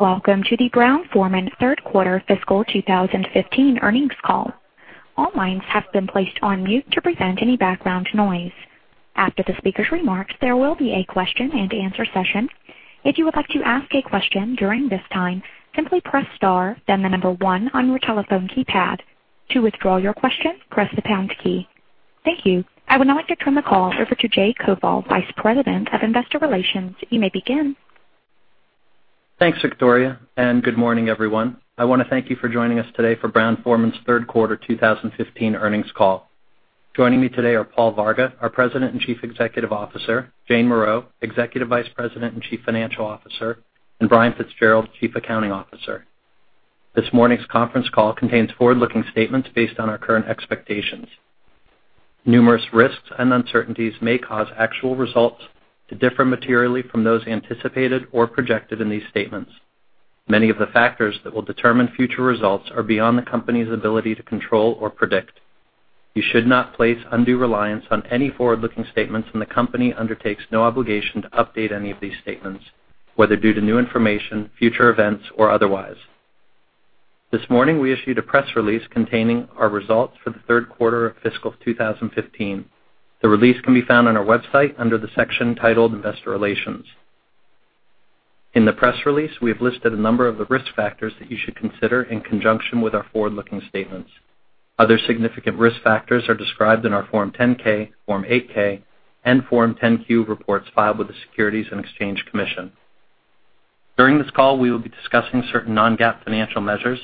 Welcome to the Brown-Forman third quarter fiscal 2015 earnings call. All lines have been placed on mute to prevent any background noise. After the speaker's remarks, there will be a question and answer session. If you would like to ask a question during this time, simply press star, then the number one on your telephone keypad. To withdraw your question, press the pound key. Thank you. I would now like to turn the call over to Jay Koval, Vice President of Investor Relations. You may begin. Thanks, Victoria. Good morning, everyone. I want to thank you for joining us today for Brown-Forman's third quarter 2015 earnings call. Joining me today are Paul Varga, our President and Chief Executive Officer, Jane Morreau, Executive Vice President and Chief Financial Officer, and Brian Fitzgerald, Chief Accounting Officer. This morning's conference call contains forward-looking statements based on our current expectations. Numerous risks and uncertainties may cause actual results to differ materially from those anticipated or projected in these statements. Many of the factors that will determine future results are beyond the company's ability to control or predict. You should not place undue reliance on any forward-looking statements. The company undertakes no obligation to update any of these statements, whether due to new information, future events, or otherwise. This morning, we issued a press release containing our results for the third quarter of fiscal 2015. The release can be found on our website under the section titled Investor Relations. In the press release, we have listed a number of the risk factors that you should consider in conjunction with our forward-looking statements. Other significant risk factors are described in our Form 10-K, Form 8-K, and Form 10-Q reports filed with the Securities and Exchange Commission. During this call, we will be discussing certain non-GAAP financial measures.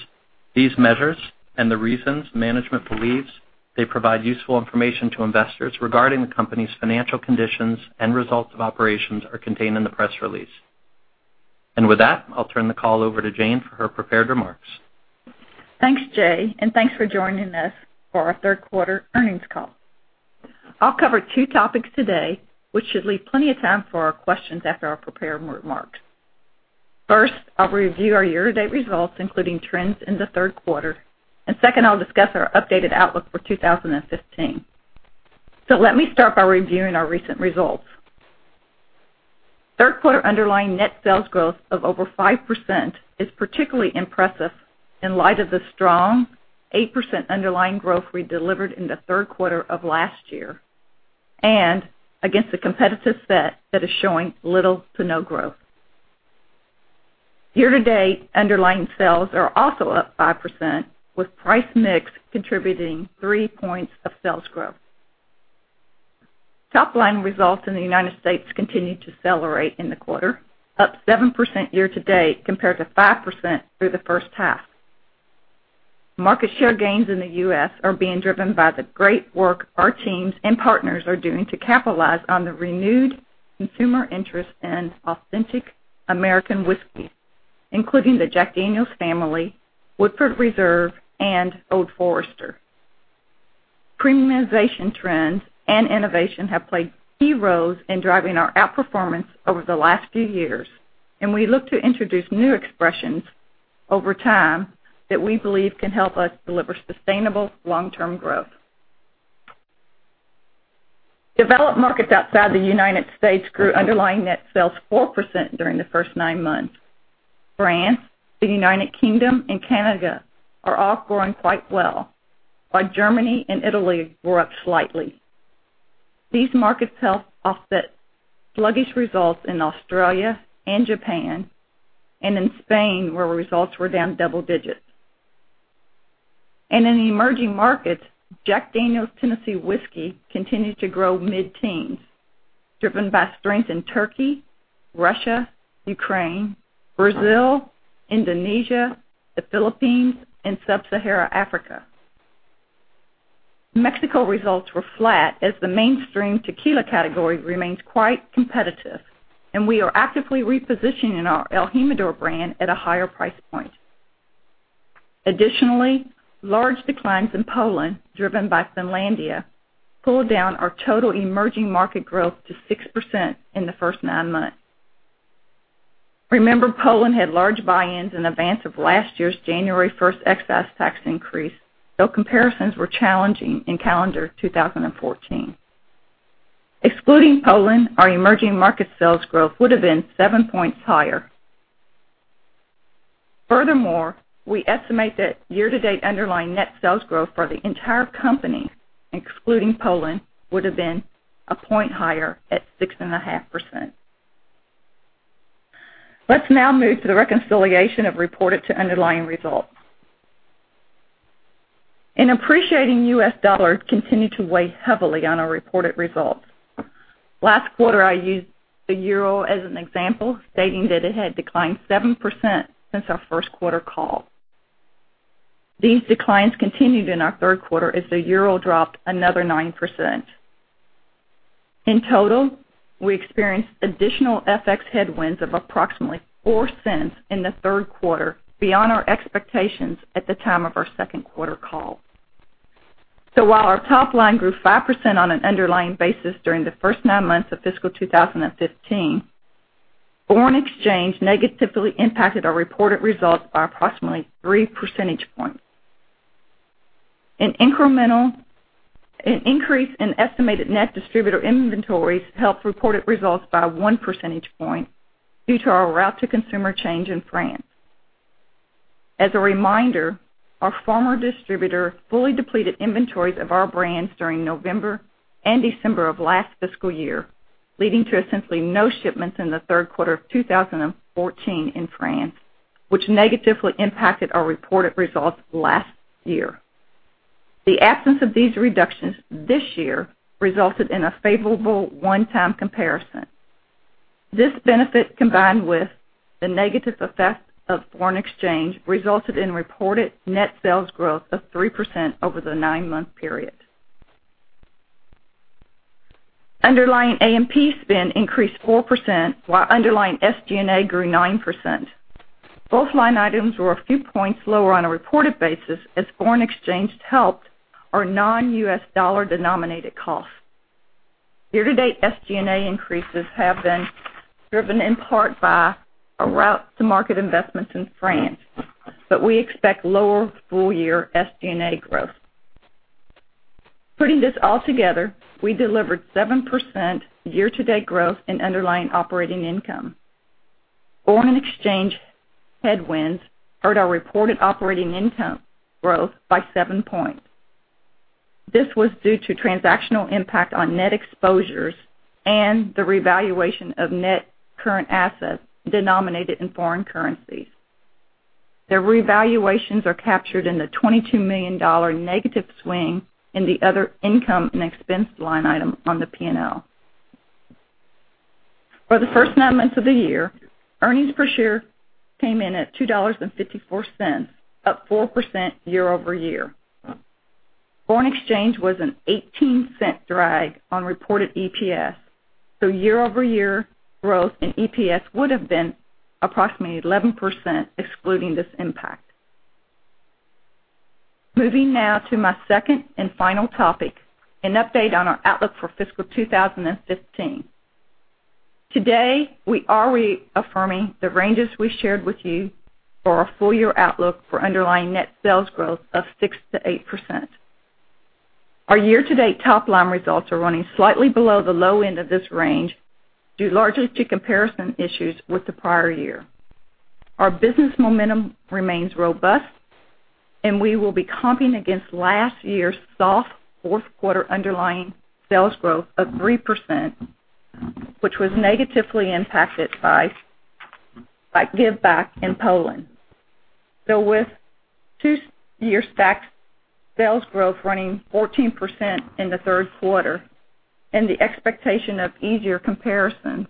These measures and the reasons management believes they provide useful information to investors regarding the company's financial conditions and results of operations are contained in the press release. With that, I'll turn the call over to Jane for her prepared remarks. Thanks, Jay. Thanks for joining us for our third quarter earnings call. I'll cover two topics today, which should leave plenty of time for our questions after our prepared remarks. First, I'll review our year-to-date results, including trends in the third quarter. Second, I'll discuss our updated outlook for 2015. Let me start by reviewing our recent results. Third quarter underlying net sales growth of over 5% is particularly impressive in light of the strong 8% underlying growth we delivered in the third quarter of last year, against a competitive set that is showing little to no growth. Year to date, underlying sales are also up 5%, with price mix contributing three points of sales growth. Top-line results in the United States continued to accelerate in the quarter, up 7% year to date compared to 5% through the first half. Market share gains in the U.S. are being driven by the great work our teams and partners are doing to capitalize on the renewed consumer interest in authentic American whiskey, including the Jack Daniel's family, Woodford Reserve, and Old Forester. Premiumization trends and innovation have played key roles in driving our outperformance over the last few years, and we look to introduce new expressions over time that we believe can help us deliver sustainable long-term growth. Developed markets outside the United States grew underlying net sales 4% during the first nine months. France, the United Kingdom, and Canada are all growing quite well, while Germany and Italy grew up slightly. These markets helped offset sluggish results in Australia and Japan, and in Spain, where results were down double digits. In the emerging markets, Jack Daniel's Tennessee Whiskey continued to grow mid-teens, driven by strength in Turkey, Russia, Ukraine, Brazil, Indonesia, the Philippines, and sub-Saharan Africa. Mexico results were flat as the mainstream tequila category remains quite competitive, and we are actively repositioning our el Jimador brand at a higher price point. Additionally, large declines in Poland, driven by Finlandia, pulled down our total emerging market growth to 6% in the first nine months. Remember, Poland had large buy-ins in advance of last year's January 1st excise tax increase, so comparisons were challenging in calendar 2014. Excluding Poland, our emerging market sales growth would have been seven points higher. Furthermore, we estimate that year-to-date underlying net sales growth for the entire company, excluding Poland, would have been a point higher at 6.5%. Let's now move to the reconciliation of reported to underlying results. An appreciating U.S. dollar continued to weigh heavily on our reported results. Last quarter, I used the euro as an example, stating that it had declined 7% since our first quarter call. These declines continued in our third quarter as the EUR dropped another 9%. In total, we experienced additional FX headwinds of approximately $0.04 in the third quarter, beyond our expectations at the time of our second quarter call. While our top line grew 5% on an underlying basis during the first nine months of fiscal 2015, foreign exchange negatively impacted our reported results by approximately three percentage points. An increase in estimated net distributor inventories helped reported results by one percentage point due to our route-to-consumer change in France. As a reminder, our former distributor fully depleted inventories of our brands during November and December of last fiscal year, leading to essentially no shipments in the third quarter of 2014 in France, which negatively impacted our reported results last year. The absence of these reductions this year resulted in a favorable one-time comparison. This benefit, combined with the negative effect of foreign exchange, resulted in reported net sales growth of 3% over the nine-month period. Underlying A&P spend increased 4%, while underlying SG&A grew 9%. Both line items were a few points lower on a reported basis as foreign exchange helped our non-U.S. dollar-denominated costs. Year-to-date SG&A increases have been driven in part by our route-to-market investments in France, but we expect lower full-year SG&A growth. Putting this all together, we delivered 7% year-to-date growth in underlying operating income. Foreign exchange headwinds hurt our reported operating income growth by seven points. This was due to transactional impact on net exposures and the revaluation of net current assets denominated in foreign currencies. The revaluations are captured in the $22 million negative swing in the other income and expense line item on the P&L. For the first nine months of the year, earnings per share came in at $2.54, up 4% year-over-year. Foreign exchange was an $0.18 drag on reported EPS. Year-over-year growth in EPS would have been approximately 11% excluding this impact. Moving now to my second and final topic, an update on our outlook for fiscal 2015. Today, we are reaffirming the ranges we shared with you for our full-year outlook for underlying net sales growth of 6%-8%. Our year-to-date top-line results are running slightly below the low end of this range, due largely to comparison issues with the prior year. Our business momentum remains robust, and we will be comping against last year's soft fourth quarter underlying sales growth of 3%, which was negatively impacted by giveback in Poland. With two years' back sales growth running 14% in the third quarter and the expectation of easier comparison,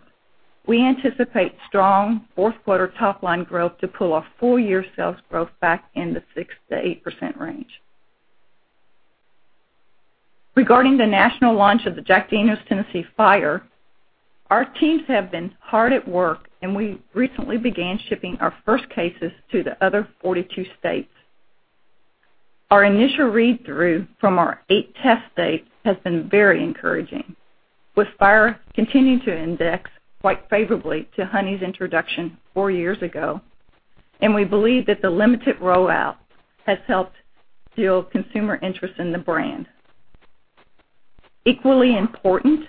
we anticipate strong fourth quarter top-line growth to pull our full-year sales growth back in the 6%-8% range. Regarding the national launch of the Jack Daniel's Tennessee Fire, our teams have been hard at work, and we recently began shipping our first cases to the other 42 states. Our initial read-through from our eight test states has been very encouraging, with Fire continuing to index quite favorably to Honey's introduction four years ago, and we believe that the limited rollout has helped build consumer interest in the brand. Equally important,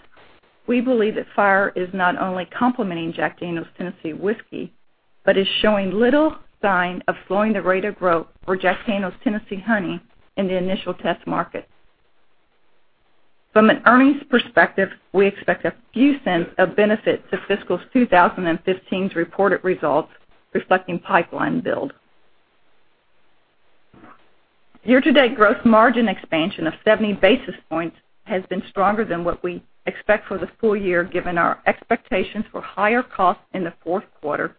we believe that Fire is not only complementing Jack Daniel's Tennessee Whiskey, but is showing little sign of slowing the rate of growth for Jack Daniel's Tennessee Honey in the initial test markets. From an earnings perspective, we expect a few cents of benefit to fiscal 2015's reported results, reflecting pipeline build. Year-to-date gross margin expansion of 70 basis points has been stronger than what we expect for the full year, given our expectations for higher costs in the fourth quarter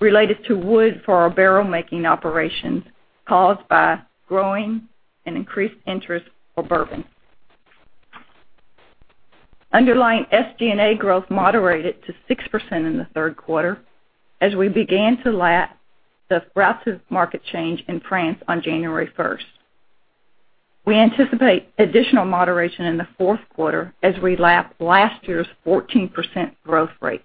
related to wood for our barrel-making operations caused by growing and increased interest for bourbon. Underlying SG&A growth moderated to 6% in the third quarter as we began to lap the route-to-market change in France on January 1st. We anticipate additional moderation in the fourth quarter as we lap last year's 14% growth rate.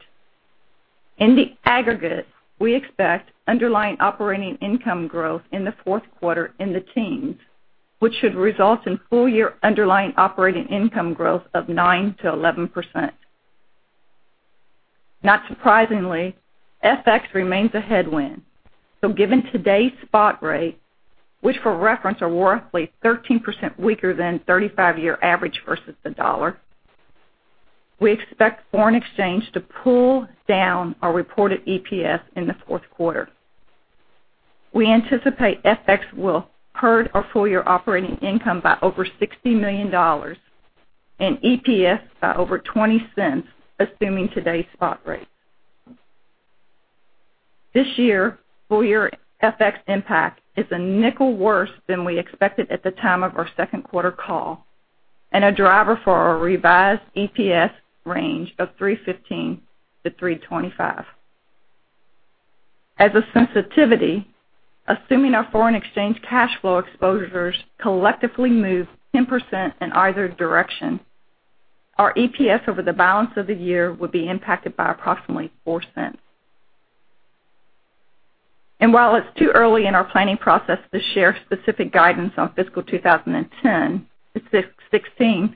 In the aggregate, we expect underlying operating income growth in the fourth quarter in the teens, which should result in full-year underlying operating income growth of 9%-11%. Not surprisingly, FX remains a headwind. Given today's spot rate, which for reference are roughly 13% weaker than 35-year average versus the U.S. dollar, we expect foreign exchange to pull down our reported EPS in the fourth quarter. We anticipate FX will hurt our full-year operating income by over $60 million and EPS by over $0.20, assuming today's spot rate. This year, full-year FX impact is $0.05 worse than we expected at the time of our second quarter call, and a driver for our revised EPS range of $3.15-$3.25. As a sensitivity, assuming our foreign exchange cash flow exposures collectively move 10% in either direction, our EPS over the balance of the year would be impacted by approximately $0.04. While it's too early in our planning process to share specific guidance on FY 2016,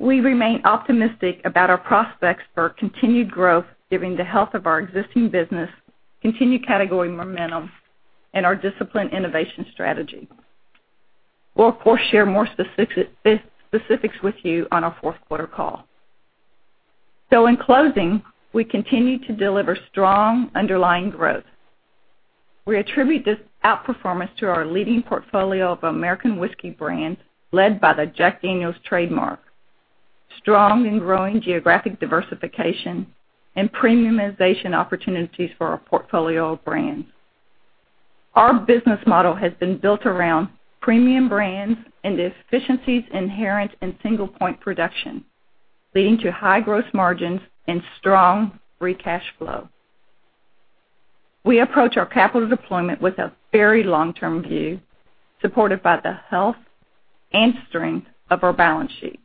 we remain optimistic about our prospects for continued growth, given the health of our existing business, continued category momentum, and our disciplined innovation strategy. We'll, of course, share more specifics with you on our fourth quarter call. In closing, we continue to deliver strong underlying growth. We attribute this outperformance to our leading portfolio of American whiskey brands, led by the Jack Daniel's trademark, strong and growing geographic diversification, and premiumization opportunities for our portfolio of brands. Our business model has been built around premium brands and the efficiencies inherent in single point production, leading to high gross margins and strong free cash flow. We approach our capital deployment with a very long-term view, supported by the health and strength of our balance sheet.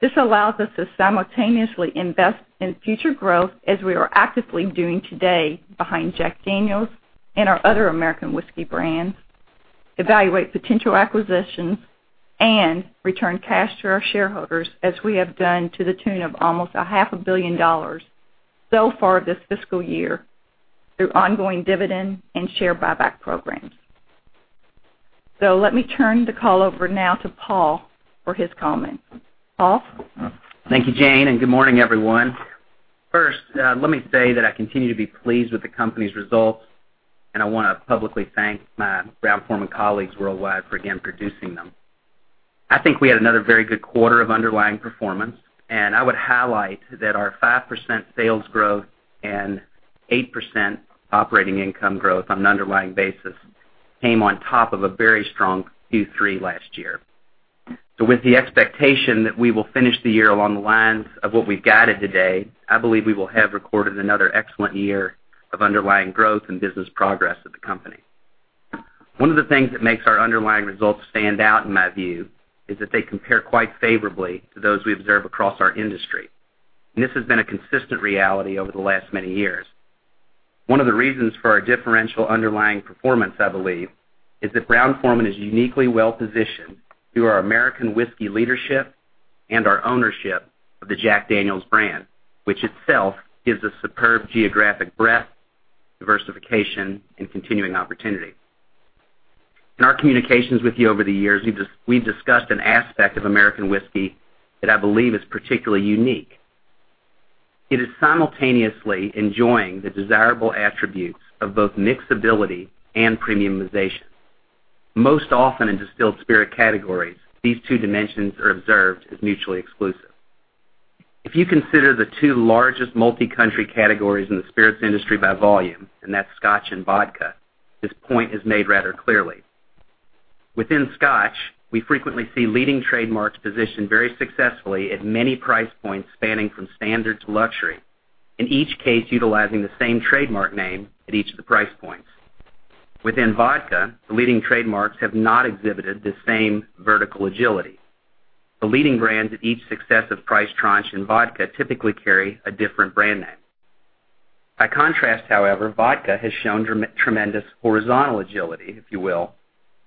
This allows us to simultaneously invest in future growth as we are actively doing today behind Jack Daniel's and our other American whiskey brands, evaluate potential acquisitions, and return cash to our shareholders, as we have done to the tune of almost a half a billion dollars so far this fiscal year through ongoing dividend and share buyback programs. Let me turn the call over now to Paul for his comments. Paul? Thank you, Jane, and good morning, everyone. First, let me say that I continue to be pleased with the company's results, and I want to publicly thank my Brown-Forman colleagues worldwide for again producing them. I think we had another very good quarter of underlying performance, and I would highlight that our 5% sales growth and 8% operating income growth on an underlying basis came on top of a very strong Q3 last year. With the expectation that we will finish the year along the lines of what we've guided today, I believe we will have recorded another excellent year of underlying growth and business progress of the company. One of the things that makes our underlying results stand out, in my view, is that they compare quite favorably to those we observe across our industry. This has been a consistent reality over the last many years. One of the reasons for our differential underlying performance, I believe, is that Brown-Forman is uniquely well-positioned through our American whiskey leadership and our ownership of the Jack Daniel's brand, which itself gives us superb geographic breadth, diversification, and continuing opportunity. In our communications with you over the years, we've discussed an aspect of American whiskey that I believe is particularly unique. It is simultaneously enjoying the desirable attributes of both mixability and premiumization. Most often in distilled spirit categories, these two dimensions are observed as mutually exclusive. If you consider the two largest multi-country categories in the spirits industry by volume, and that's Scotch and vodka, this point is made rather clearly. Within Scotch, we frequently see leading trademarks positioned very successfully at many price points, spanning from standard to luxury. In each case, utilizing the same trademark name at each of the price points. Within vodka, the leading trademarks have not exhibited the same vertical agility. The leading brands at each successive price tranche in vodka typically carry a different brand name. By contrast, however, vodka has shown tremendous horizontal agility, if you will,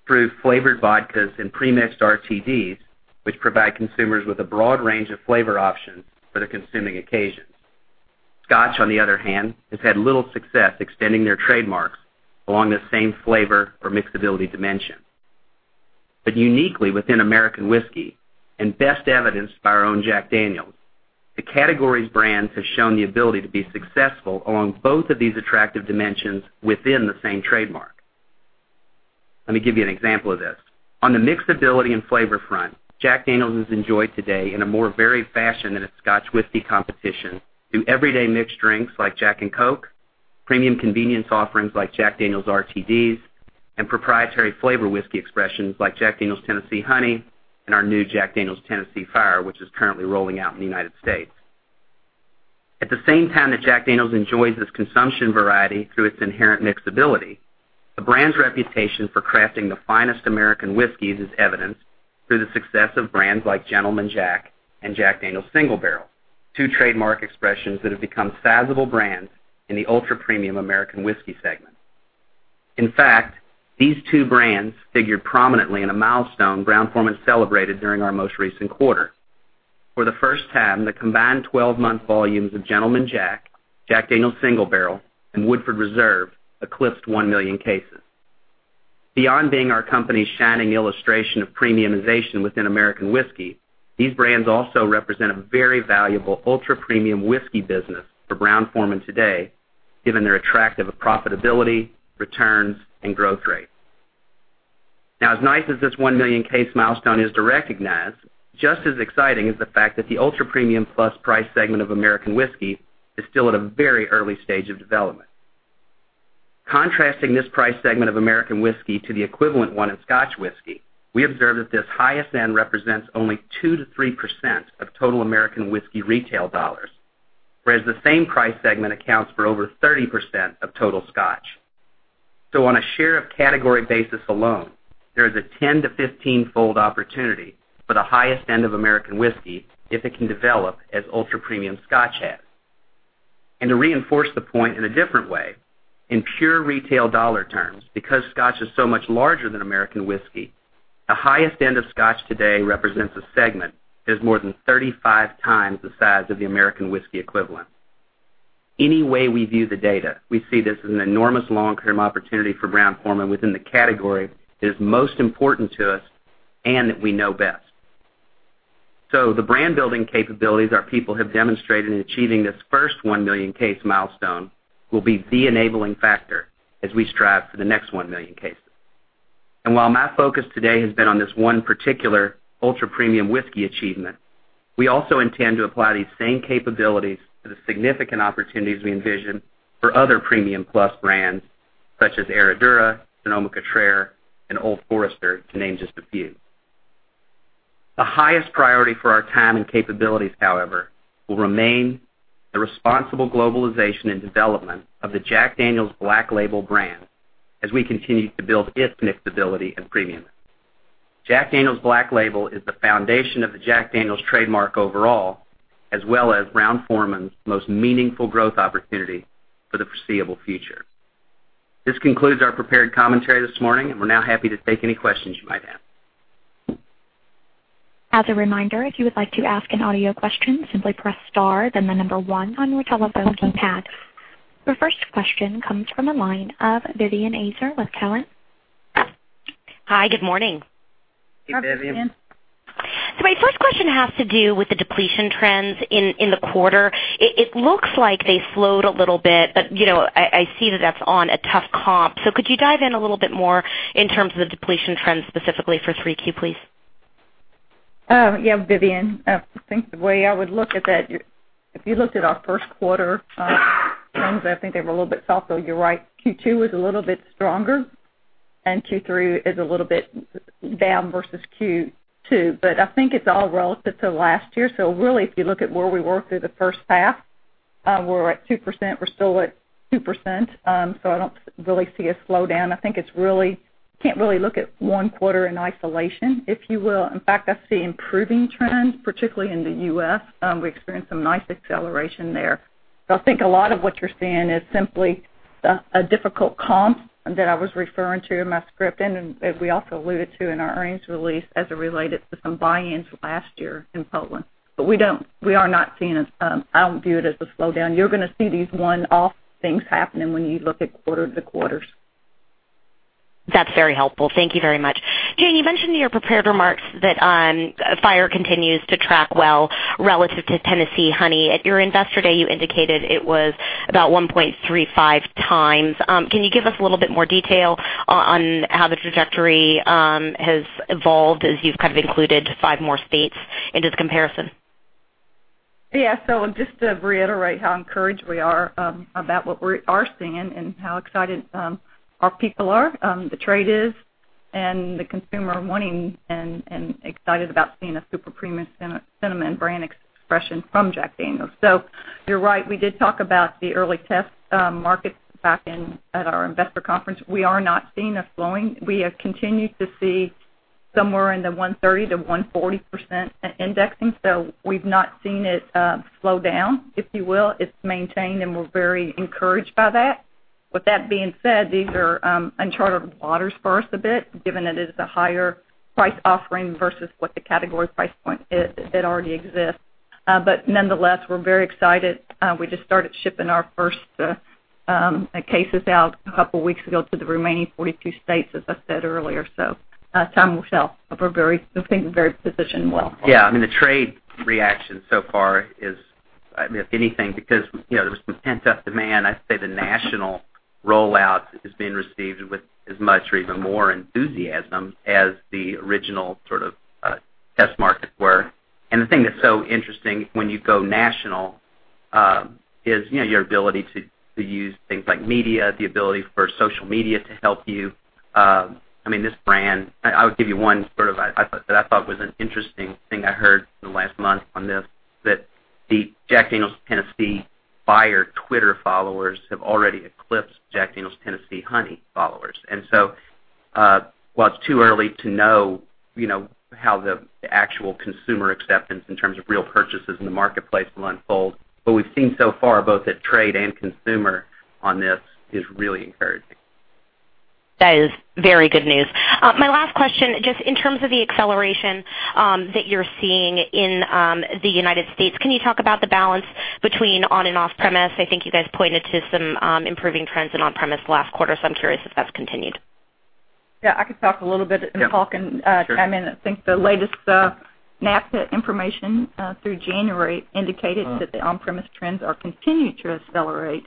through flavored vodkas and pre-mixed RTDs, which provide consumers with a broad range of flavor options for their consuming occasions. Scotch, on the other hand, has had little success extending their trademarks along this same flavor or mixability dimension. Uniquely within American whiskey, and best evidenced by our own Jack Daniel's, the category's brands have shown the ability to be successful along both of these attractive dimensions within the same trademark. Let me give you an example of this. On the mixability and flavor front, Jack Daniel's is enjoyed today in a more varied fashion than its Scotch whiskey competition through everyday mixed drinks like Jack and Coke, premium convenience offerings like Jack Daniel's RTDs, and proprietary flavor whiskey expressions like Jack Daniel's Tennessee Honey and our new Jack Daniel's Tennessee Fire, which is currently rolling out in the United States. At the same time that Jack Daniel's enjoys this consumption variety through its inherent mixability, the brand's reputation for crafting the finest American whiskeys is evidenced through the success of brands like Gentleman Jack and Jack Daniel's Single Barrel, two trademark expressions that have become sizable brands in the ultra-premium American whiskey segment. In fact, these two brands figured prominently in a milestone Brown-Forman celebrated during our most recent quarter. For the first time, the combined 12-month volumes of Gentleman Jack, Jack Daniel's Single Barrel, and Woodford Reserve eclipsed 1 million cases. Beyond being our company's shining illustration of premiumization within American whiskey, these brands also represent a very valuable ultra-premium whiskey business for Brown-Forman today, given their attractive profitability, returns, and growth rates. As nice as this 1 million case milestone is to recognize, just as exciting is the fact that the ultra-premium plus price segment of American whiskey is still at a very early stage of development. Contrasting this price segment of American whiskey to the equivalent one in Scotch whiskey, we observe that this highest end represents only 2%-3% of total American whiskey retail dollars, whereas the same price segment accounts for over 30% of total Scotch. On a share of category basis alone, there is a 10-15 fold opportunity for the highest end of American whiskey if it can develop as ultra-premium Scotch has. To reinforce the point in a different way, in pure retail dollar terms, because Scotch is so much larger than American whiskey, the highest end of Scotch today represents a segment that is more than 35 times the size of the American whiskey equivalent. Any way we view the data, we see this as an enormous long-term opportunity for Brown-Forman within the category that is most important to us and that we know best. The brand-building capabilities our people have demonstrated in achieving this first 1 million case milestone will be the enabling factor as we strive for the next 1 million cases. While my focus today has been on this one particular ultra-premium whiskey achievement, we also intend to apply these same capabilities to the significant opportunities we envision for other premium plus brands such as Herradura, Sonoma-Cutrer, and Old Forester, to name just a few. The highest priority for our time and capabilities, however, will remain the responsible globalization and development of the Jack Daniel's Black Label brand as we continue to build its mixability and premiumness. Jack Daniel's Black Label is the foundation of the Jack Daniel's trademark overall, as well as Brown-Forman's most meaningful growth opportunity for the foreseeable future. This concludes our prepared commentary this morning, and we're now happy to take any questions you might have. As a reminder, if you would like to ask an audio question, simply press star, then the number 1 on your telephone keypad. Your first question comes from the line of Vivien Azer with Cowen. Hi, good morning. Hey, Vivien. My first question has to do with the depletion trends in the quarter. It looks like they slowed a little bit, but I see that that's on a tough comp. Could you dive in a little bit more in terms of the depletion trends specifically for 3Q, please? Vivien, I think the way I would look at that, if you looked at our first quarter trends, I think they were a little bit soft, though you're right. Q2 was a little bit stronger, and Q3 is a little bit down versus Q2. I think it's all relative to last year. Really, if you look at where we were through the first half, we're at 2%, we're still at 2%, I don't really see a slowdown. I think you can't really look at one quarter in isolation, if you will. In fact, I see improving trends, particularly in the U.S. We experienced some nice acceleration there. I think a lot of what you're seeing is simply a difficult comp that I was referring to in my script, and as we also alluded to in our earnings release, as it related to some buy-ins last year in Poland. I don't view it as a slowdown. You're going to see these one-off things happening when you look at quarter to quarters. That's very helpful. Thank you very much. Jane, you mentioned in your prepared remarks that Fire continues to track well relative to Tennessee Honey. At your Investor Day, you indicated it was about 1.35 times. Can you give us a little bit more detail on how the trajectory has evolved as you've kind of included five more states into the comparison? Yeah. Just to reiterate how encouraged we are about what we are seeing and how excited our people are, the trade is, and the consumer wanting and excited about seeing a super premium cinnamon brand expression from Jack Daniel's. You're right, we did talk about the early test markets back at our investor conference. We are not seeing a slowing. We have continued to see somewhere in the 130%-140% indexing. We've not seen it slow down, if you will. It's maintained, and we're very encouraged by that. With that being said, these are uncharted waters for us a bit, given that it is a higher price offering versus what the category price point is that already exists. Nonetheless, we're very excited. We just started shipping our first cases out a couple of weeks ago to the remaining 42 states, as I said earlier. Time will tell, we're thinking we're very positioned well. Yeah, I mean, the trade reaction so far is, if anything, because there was some pent-up demand. I'd say the national rollout is being received with as much or even more enthusiasm as the original sort of test markets were. The thing that's so interesting when you go national is your ability to use things like media, the ability for social media to help you. I mean, this brand, I would give you one sort of, that I thought was an interesting thing I heard in the last month on this, that the Jack Daniel's Tennessee Fire Twitter followers have already eclipsed Jack Daniel's Tennessee Honey followers. While it's too early to know how the actual consumer acceptance in terms of real purchases in the marketplace will unfold, we've seen so far, both at trade and consumer on this, is really encouraging. That is very good news. My last question, just in terms of the acceleration that you're seeing in the U.S., can you talk about the balance between on and off-premise? I think you guys pointed to some improving trends in on-premise last quarter, I'm curious if that's continued. Yeah, I could talk a little bit, and Paul can chime in. Sure. I think the latest NABCA information through January indicated that the on-premise trends are continuing to accelerate.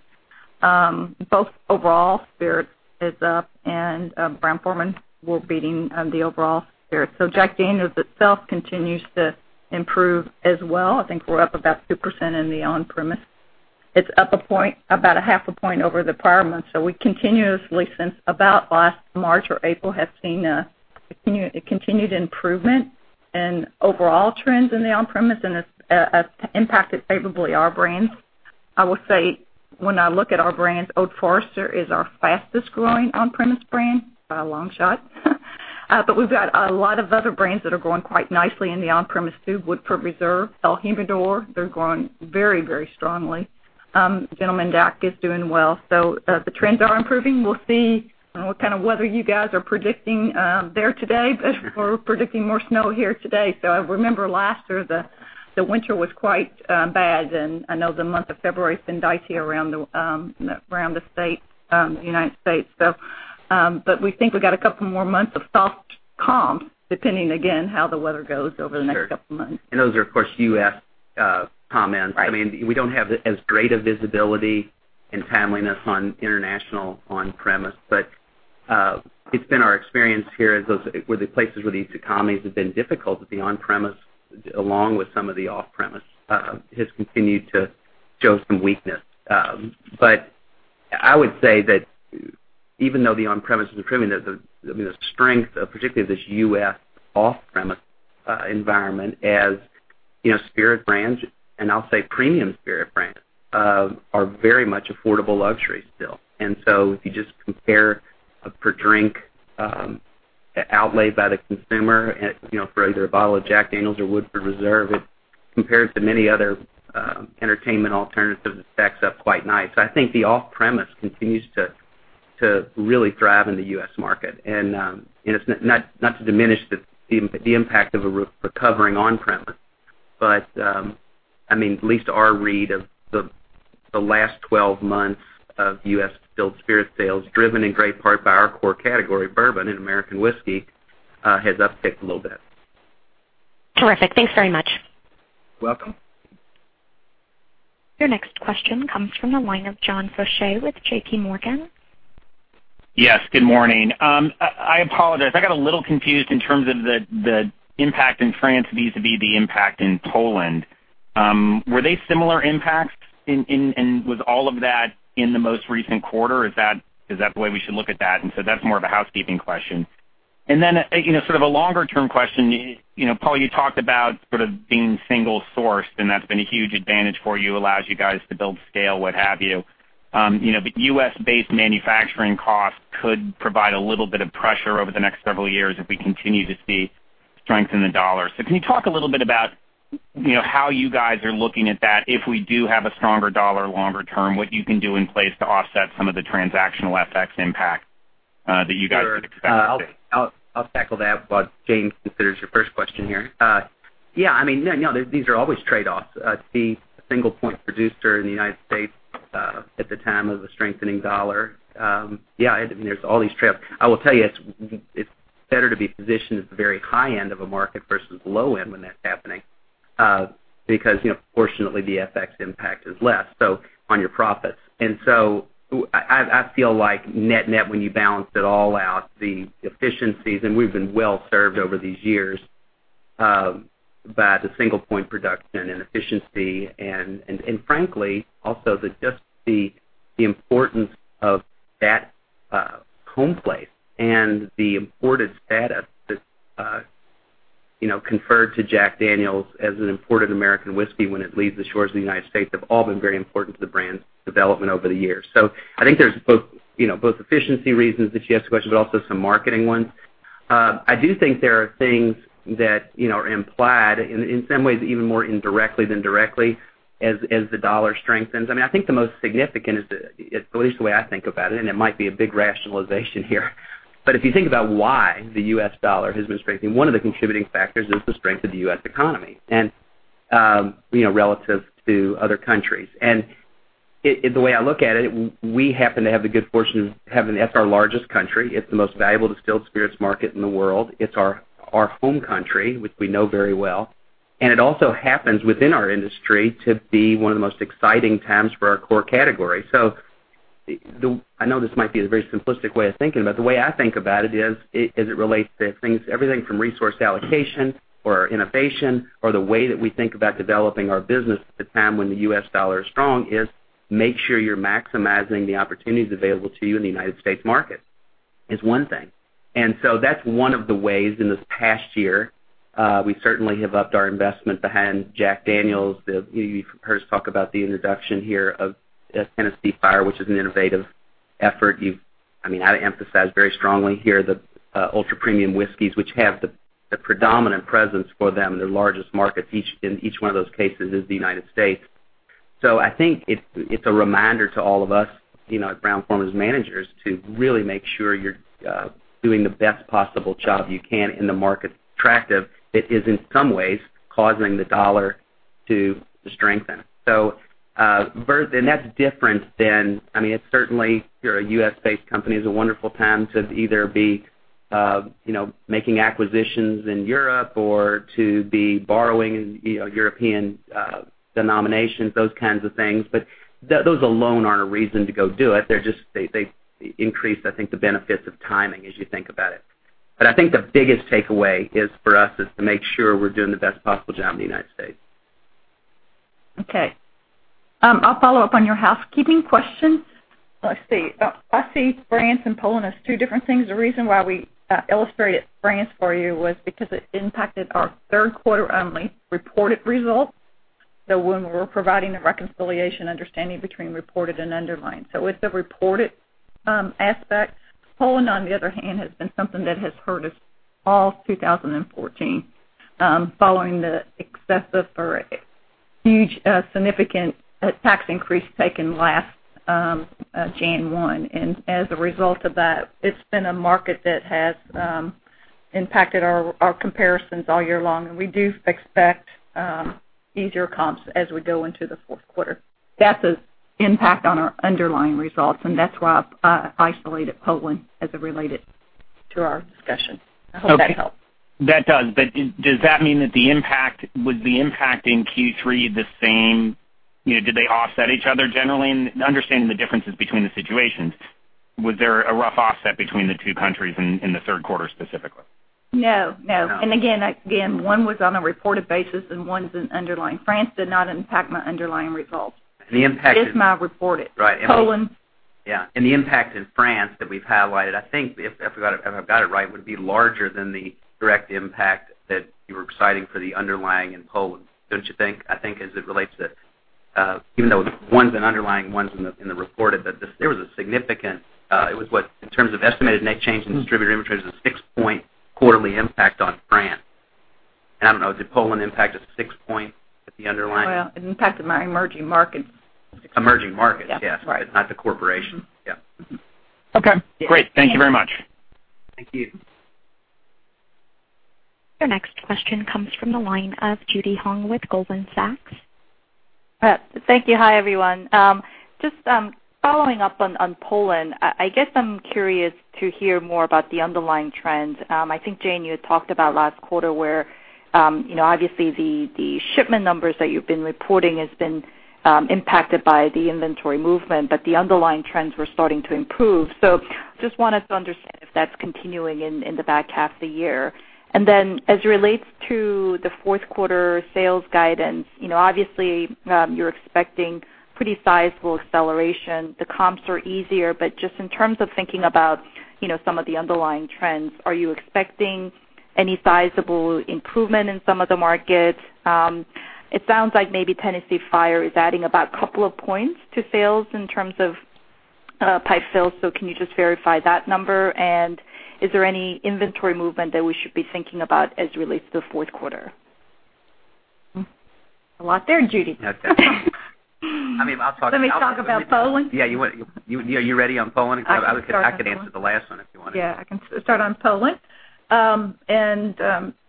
Overall spirits is up, and Brown-Forman, we're beating the overall spirits. Jack Daniel's itself continues to improve as well. I think we're up about 2% in the on-premise. It's up a point, about a half a point over the prior month. We continuously, since about last March or April, have seen a continued improvement in overall trends in the on-premise, and it's impacted favorably our brands. I will say, when I look at our brands, Old Forester is our fastest growing on-premise brand by a long shot. We've got a lot of other brands that are growing quite nicely in the on-premise too, Woodford Reserve, el Jimador, they're growing very strongly. Gentleman Jack is doing well. The trends are improving. We'll see what kind of weather you guys are predicting there today, but we're predicting more snow here today. I remember last year, the winter was quite bad, and I know the month of February's been dicey around the United States. We think we've got a couple more months of soft comps, depending, again, how the weather goes over the next couple months. Sure. Those are, of course, U.S. comments. Right. We don't have as great a visibility and timeliness on international on-premise. It's been our experience here is those were the places where these economies have been difficult, that the on-premise, along with some of the off-premise, has continued to show some weakness. I would say that even though the on-premise is trimming, the strength of particularly this U.S. off-premise environment as spirit brands, and I'll say premium spirit brands, are very much affordable luxury still. If you just compare a per drink outlay by the consumer for either a bottle of Jack Daniel's or Woodford Reserve, compared to many other entertainment alternatives, it stacks up quite nice. I think the off-premise continues to really thrive in the U.S. market. It's not to diminish the impact of a recovering on-premise, but at least our read of the last 12 months of U.S. distilled spirit sales, driven in great part by our core category, bourbon and American whiskey, has upticked a little bit. Terrific. Thanks very much. Welcome. Your next question comes from the line of John Faucher with J.P. Morgan. Yes, good morning. I apologize. I got a little confused in terms of the impact in France vis-a-vis the impact in Poland. Were they similar impacts, and was all of that in the most recent quarter? Is that the way we should look at that? That's more of a housekeeping question. Then, sort of a longer-term question, Paul, you talked about being single-sourced, and that's been a huge advantage for you, allows you guys to build scale, what have you. U.S.-based manufacturing costs could provide a little bit of pressure over the next several years if we continue to see strength in the dollar. Can you talk a little bit about how you guys are looking at that, if we do have a stronger dollar longer term, what you can do in place to offset some of the transactional FX impact that you guys would expect to see? Sure. I'll tackle that, what Jane considers your first question here. These are always trade-offs. To be a single point producer in the United States at the time of the strengthening dollar, there's all these trade-offs. I will tell you, it's better to be positioned at the very high end of a market versus low end when that's happening, because fortunately, the FX impact is less, so on your profits. I feel like net-net, when you balance it all out, the efficiencies, and we've been well-served over these years by the single point production and efficiency and frankly, also just the importance of that home place and the imported status that's conferred to Jack Daniel's as an imported American whiskey when it leaves the shores of the United States, have all been very important to the brand's development over the years. I think there's both efficiency reasons that you ask the question, but also some marketing ones. I do think there are things that are implied, in some ways, even more indirectly than directly, as the dollar strengthens. I think the most significant is, at least the way I think about it, and it might be a big rationalization here, but if you think about why the U.S. dollar has been strengthening, one of the contributing factors is the strength of the U.S. economy and relative to other countries. The way I look at it, we happen to have the good fortune of having, that's our largest country. It's the most valuable distilled spirits market in the world. It's our home country, which we know very well. It also happens within our industry to be one of the most exciting times for our core category. I know this might be a very simplistic way of thinking about it, but the way I think about it is, as it relates to things, everything from resource allocation or innovation or the way that we think about developing our business at the time when the U.S. dollar is strong, is make sure you're maximizing the opportunities available to you in the U.S. market, is one thing. That's one of the ways in this past year, we certainly have upped our investment behind Jack Daniel's. You've heard us talk about the introduction here of Tennessee Fire, which is an innovative effort. I emphasize very strongly here the ultra-premium whiskeys, which have the predominant presence for them, their largest markets in each one of those cases is the U.S. I think it's a reminder to all of us at Brown-Forman as managers to really make sure you're doing the best possible job you can in the market that's attractive, that is in some ways causing the dollar to strengthen. That's different than, it's certainly, if you're a U.S.-based company, it's a wonderful time to either be making acquisitions in Europe or to be borrowing in European denominations, those kinds of things. Those alone aren't a reason to go do it. They increase, I think, the benefits of timing as you think about it. I think the biggest takeaway is for us is to make sure we're doing the best possible job in the U.S. Okay. I'll follow up on your housekeeping question. Let's see. I see France and Poland as two different things. The reason why we illustrated France for you was because it impacted our third quarter only reported results. When we're providing a reconciliation understanding between reported and underlying. With the reported aspect, Poland, on the other hand, has been something that has hurt us all 2014, following the excessive or huge significant tax increase taken last January 1. As a result of that, it's been a market that has impacted our comparisons all year long, and we do expect easier comps as we go into the fourth quarter. That's the impact on our underlying results, and that's why I isolated Poland as it related to our discussion. I hope that helps. That does. Does that mean that was the impact in Q3 the same? Did they offset each other generally? Understanding the differences between the situations, was there a rough offset between the two countries in the third quarter specifically? No. No. Again, one was on a reported basis and one's an underlying. France did not impact my underlying results. The impact in- Just my reported. Right. Poland. Yeah. The impact in France that we've highlighted, I think, if I've got it right, would be larger than the direct impact that you were citing for the underlying in Poland, don't you think? I think as it relates to, even though one's an underlying, one's in the reported, but there was a significant, it was what, in terms of estimated net change in distributor inventories, a six-point quarterly impact on France. I don't know, did Poland impact a six-point at the underlying? Well, it impacted my emerging markets. Emerging markets. Yeah. Right. Yes. Not the corporation. Yeah. Okay, great. Thank you very much. Thank you. Your next question comes from the line of Judy Hong with Goldman Sachs. Thank you. Hi, everyone. Just following up on Poland. I guess I'm curious to hear more about the underlying trends. I think, Jane, you had talked about last quarter where, obviously, the shipment numbers that you've been reporting has been impacted by the inventory movement, but the underlying trends were starting to improve. Just wanted to understand if that's continuing in the back half of the year. As it relates to the fourth quarter sales guidance, obviously, you're expecting pretty sizable acceleration. The comps are easier, but just in terms of thinking about some of the underlying trends, are you expecting any sizable improvement in some of the markets? It sounds like maybe Tennessee Fire is adding about couple of points to sales in terms of pipe sales, so can you just verify that number? Is there any inventory movement that we should be thinking about as it relates to the fourth quarter? A lot there, Judy. That's okay. Let me talk about Poland? Yeah. You ready on Poland? I could answer the last one if you wanted. Yeah, I can start on Poland.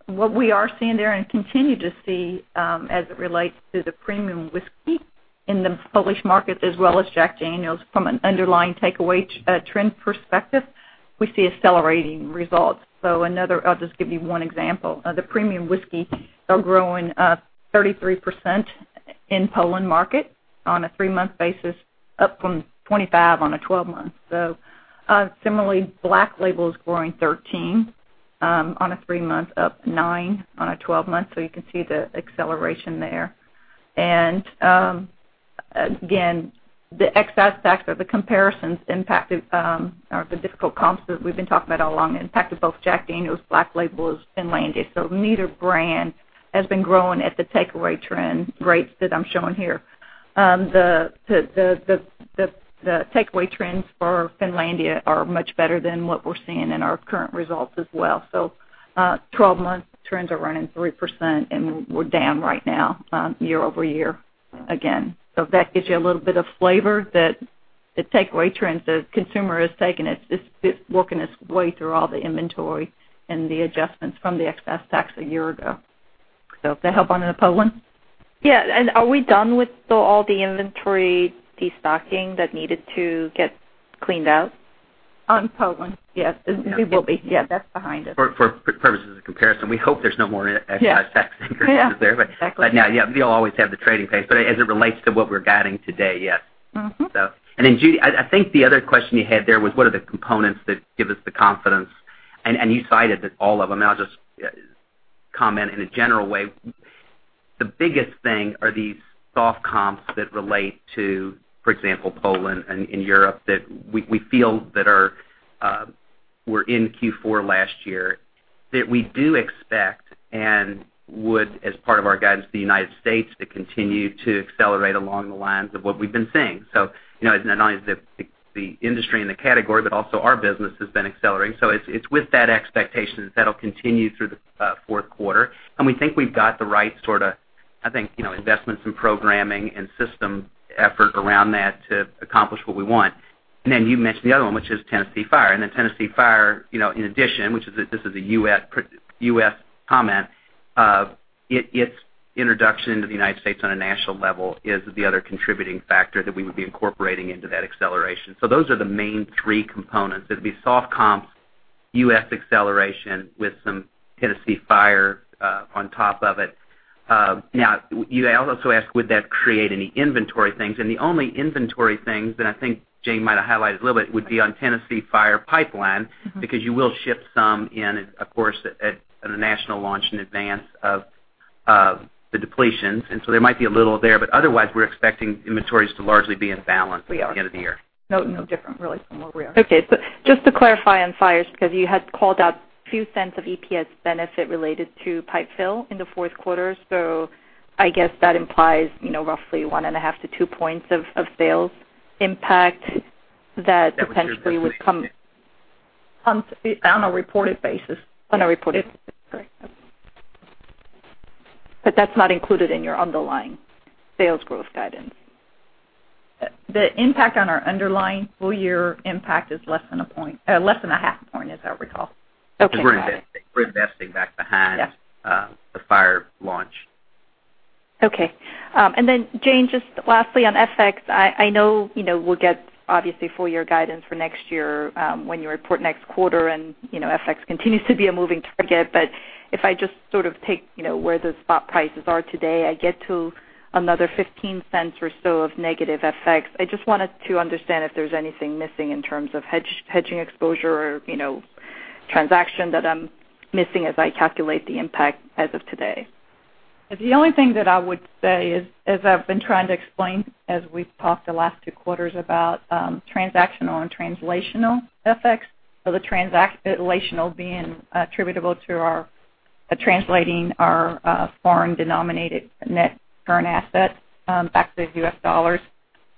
What we are seeing there and continue to see, as it relates to the premium whiskey in the Polish market as well as Jack Daniel's from an underlying takeaway trend perspective, we see accelerating results. I'll just give you one example. The premium whiskey are growing 33% in Poland market on a three-month basis, up from 25 on a 12-month. Similarly, Black Label is growing 13, on a three-month, up nine on a 12-month, you can see the acceleration there. Again, the excise tax or the comparisons impact of the difficult comps that we've been talking about all along impacted both Jack Daniel's, Black Label, and Finlandia. Neither brand has been growing at the takeaway trend rates that I'm showing here. The takeaway trends for Finlandia are much better than what we're seeing in our current results as well. 12 months trends are running 3%, and we're down right now year-over-year again. That gives you a little bit of flavor that the takeaway trends, the consumer is working its way through all the inventory and the adjustments from the excise tax a year ago. Does that help on the Poland? Yeah. Are we done with all the inventory destocking that needed to get cleaned out? On Poland? Yes. We will be. Yeah, that's behind us. For purposes of comparison, we hope there's no more excise tax increases there. Yeah. Exactly. No, yeah, we'll always have the trading pace. As it relates to what we're guiding today, yes. Judy, I think the other question you had there was what are the components that give us the confidence? You cited that all of them, and I'll just comment in a general way. The biggest thing are these soft comps that relate to, for example, Poland and Europe, that we feel that were in Q4 last year, that we do expect and would, as part of our guidance to the U.S., to continue to accelerate along the lines of what we've been seeing. It's not only the industry and the category, but also our business has been accelerating. It's with that expectation that that'll continue through the fourth quarter, and we think we've got the right sort of investments in programming and system effort around that to accomplish what we want. You mentioned the other one, which is Tennessee Fire. Tennessee Fire, in addition, this is a U.S. comment, its introduction to the U.S. on a national level is the other contributing factor that we would be incorporating into that acceleration. Those are the main three components. It'd be soft comps, U.S. acceleration with some Tennessee Fire on top of it. You also asked, would that create any inventory things? The only inventory things, and I think Jane might have highlighted a little bit, would be on Tennessee Fire pipeline. Because you will ship some in, of course, at a national launch in advance of the depletions. There might be a little there, but otherwise, we're expecting inventories to largely be in balance. We are. at the end of the year. No different, really, from where we are. Okay. Just to clarify on Fire's, because you had called out $0.02 of EPS benefit related to pipe fill in the fourth quarter. I guess that implies roughly one and a half to two points of sales impact. That potentially would come. On a reported basis. On a reported. Correct. That's not included in your underlying sales growth guidance. The impact on our underlying full-year impact is less than a half a point, as I recall. Okay. Got it. We're investing back behind Yes. the Fire launch. Jane, just lastly on FX, I know we'll get, obviously, full year guidance for next year when you report next quarter, and FX continues to be a moving target. If I just take where the spot prices are today, I get to another $0.15 or so of negative FX. I just wanted to understand if there's anything missing in terms of hedging exposure or transaction that I'm missing as I calculate the impact as of today. The only thing that I would say is, as I've been trying to explain, as we've talked the last two quarters about transactional and translational FX, so the translational being attributable to translating our foreign-denominated net current asset back to the U.S. dollars.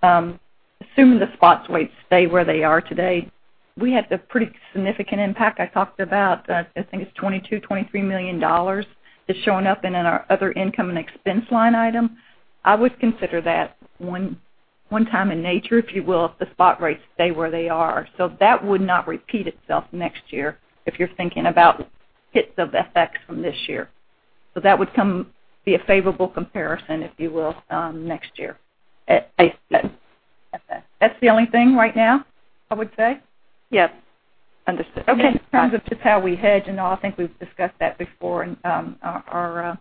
Assuming the spot rates stay where they are today, we had a pretty significant impact. I talked about, I think it's $22 million, $23 million that's showing up in our other income and expense line item. I would consider that one-time in nature, if you will, if the spot rates stay where they are. That would not repeat itself next year, if you're thinking about hits of FX from this year. That would be a favorable comparison, if you will, next year. That's the only thing right now, I would say. Yes. Understood. Okay. In terms of just how we hedge and all, I think we've discussed that before and our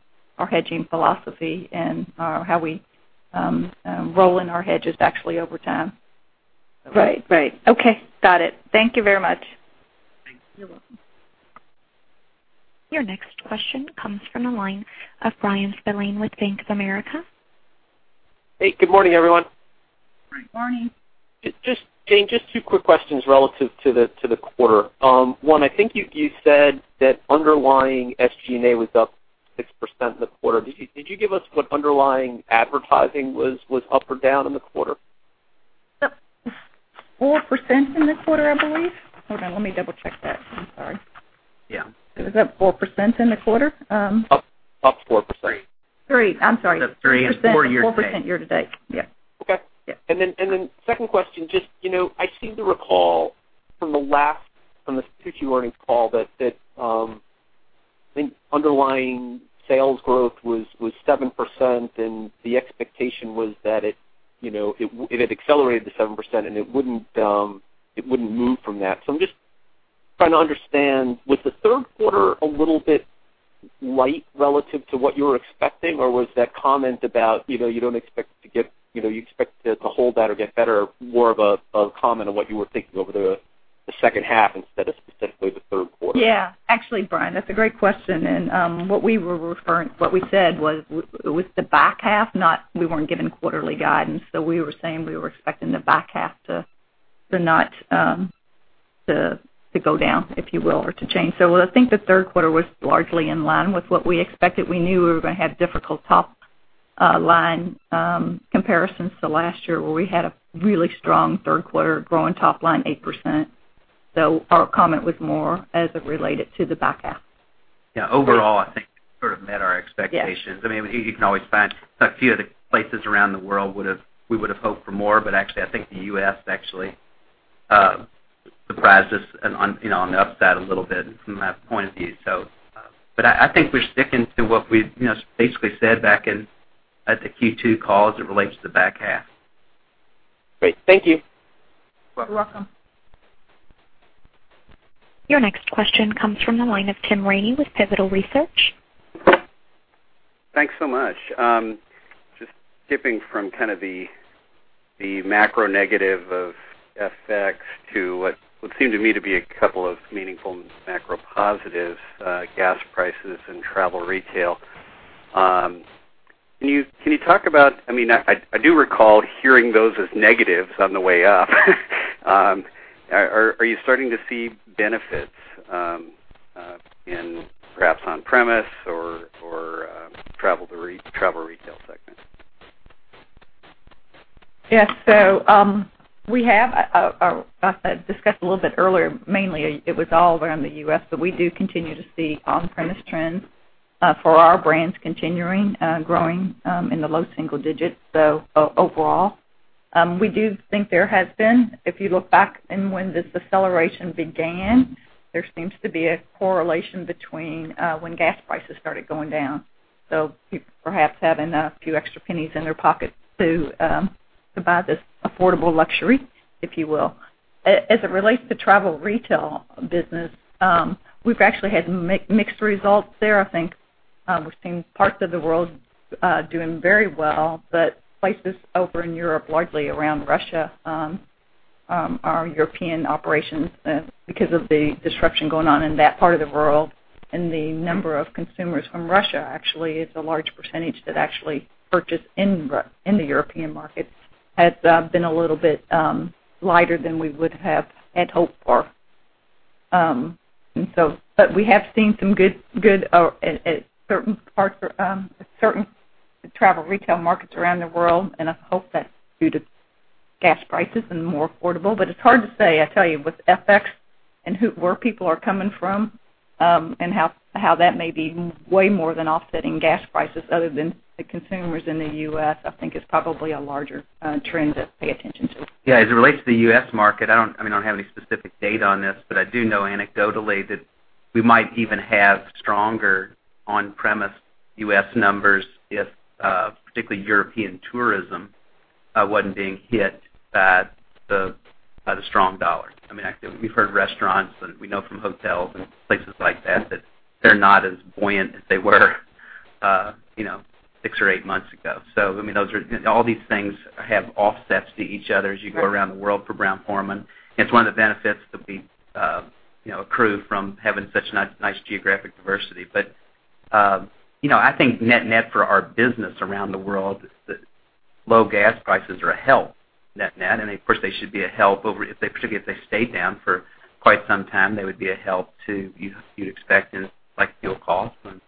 hedging philosophy and how we roll in our hedges actually over time. Right. Okay. Got it. Thank you very much. Thanks. You're welcome. Your next question comes from the line of Bryan Spillane with Bank of America. Hey, good morning, everyone. Good morning. Jane, just two quick questions relative to the quarter. One, I think you said that underlying SG&A was up 6% in the quarter. Did you give us what underlying advertising was up or down in the quarter? Up 4% in the quarter, I believe. Hold on, let me double-check that. I'm sorry. Yeah. It was up 4% in the quarter. Up 4%. Three. I'm sorry. That's three and four year-to-date. 4% year-to-date. Yes. Okay. Yes. Second question, just, I seem to recall from the Q2 earnings call that, I think underlying sales growth was 7% and the expectation was that it had accelerated to 7%, and it wouldn't move from that. I'm just trying to understand, was the third quarter a little bit light relative to what you were expecting? Was that comment about, you expect it to hold that or get better, more of a comment on what you were thinking over the second half instead of specifically the third quarter? Yeah. Actually, Bryan, that's a great question. What we said was, with the back half, we weren't given quarterly guidance, we were saying we were expecting the back half to go down, if you will, or to change. I think the third quarter was largely in line with what we expected. We knew we were going to have difficult top-line comparisons to last year, where we had a really strong third quarter growing top line 8%. Our comment was more as it related to the back half. Yeah. Overall, I think sort of met our expectations. Yes. You can always find a few other places around the world we would have hoped for more. Actually, I think the U.S. actually surprised us on the upside a little bit from that point of view. I think we're sticking to what we basically said back at the Q2 call as it relates to the back half. Great. Thank you. You're welcome. Your next question comes from the line of Tim Ramey with Pivotal Research. Thanks so much. Just skipping from kind of the macro negative of FX to what would seem to me to be a couple of meaningful macro positives, gas prices and travel retail. I do recall hearing those as negatives on the way up. Are you starting to see benefits in perhaps on-premise or travel retail segment? Yes. As I discussed a little bit earlier, mainly it was all around the U.S., but we do continue to see on-premise trends for our brands continuing, growing in the low single digits. Overall, we do think there has been, if you look back in when this deceleration began, there seems to be a correlation between when gas prices started going down. People perhaps having a few extra pennies in their pocket to buy this affordable luxury, if you will. As it relates to travel retail business, we've actually had mixed results there. I think we've seen parts of the world doing very well, places over in Europe, largely around Russia, our European operations, because of the disruption going on in that part of the world, and the number of consumers from Russia, actually, it's a large percentage that actually purchase in the European markets, has been a little bit lighter than we would have had hoped for. We have seen some good at certain travel retail markets around the world, and I hope that's due to gas prices and more affordable. It's hard to say, I tell you, with FX and where people are coming from, and how that may be way more than offsetting gas prices other than the consumers in the U.S., I think is probably a larger trend to pay attention to. As it relates to the U.S. market, I don't have any specific data on this, but I do know anecdotally that we might even have stronger on-premise U.S. numbers if, particularly European tourism, wasn't being hit by the strong dollar. We've heard restaurants, and we know from hotels and places like that they're not as buoyant as they were six or eight months ago. All these things have offsets to each other as you go around the world for Brown-Forman. It's one of the benefits that we accrue from having such nice geographic diversity. I think net for our business around the world, is that low gas prices are a help net. Of course, they should be a help, particularly if they stay down for quite some time, they would be a help to, you'd expect in like fuel costs and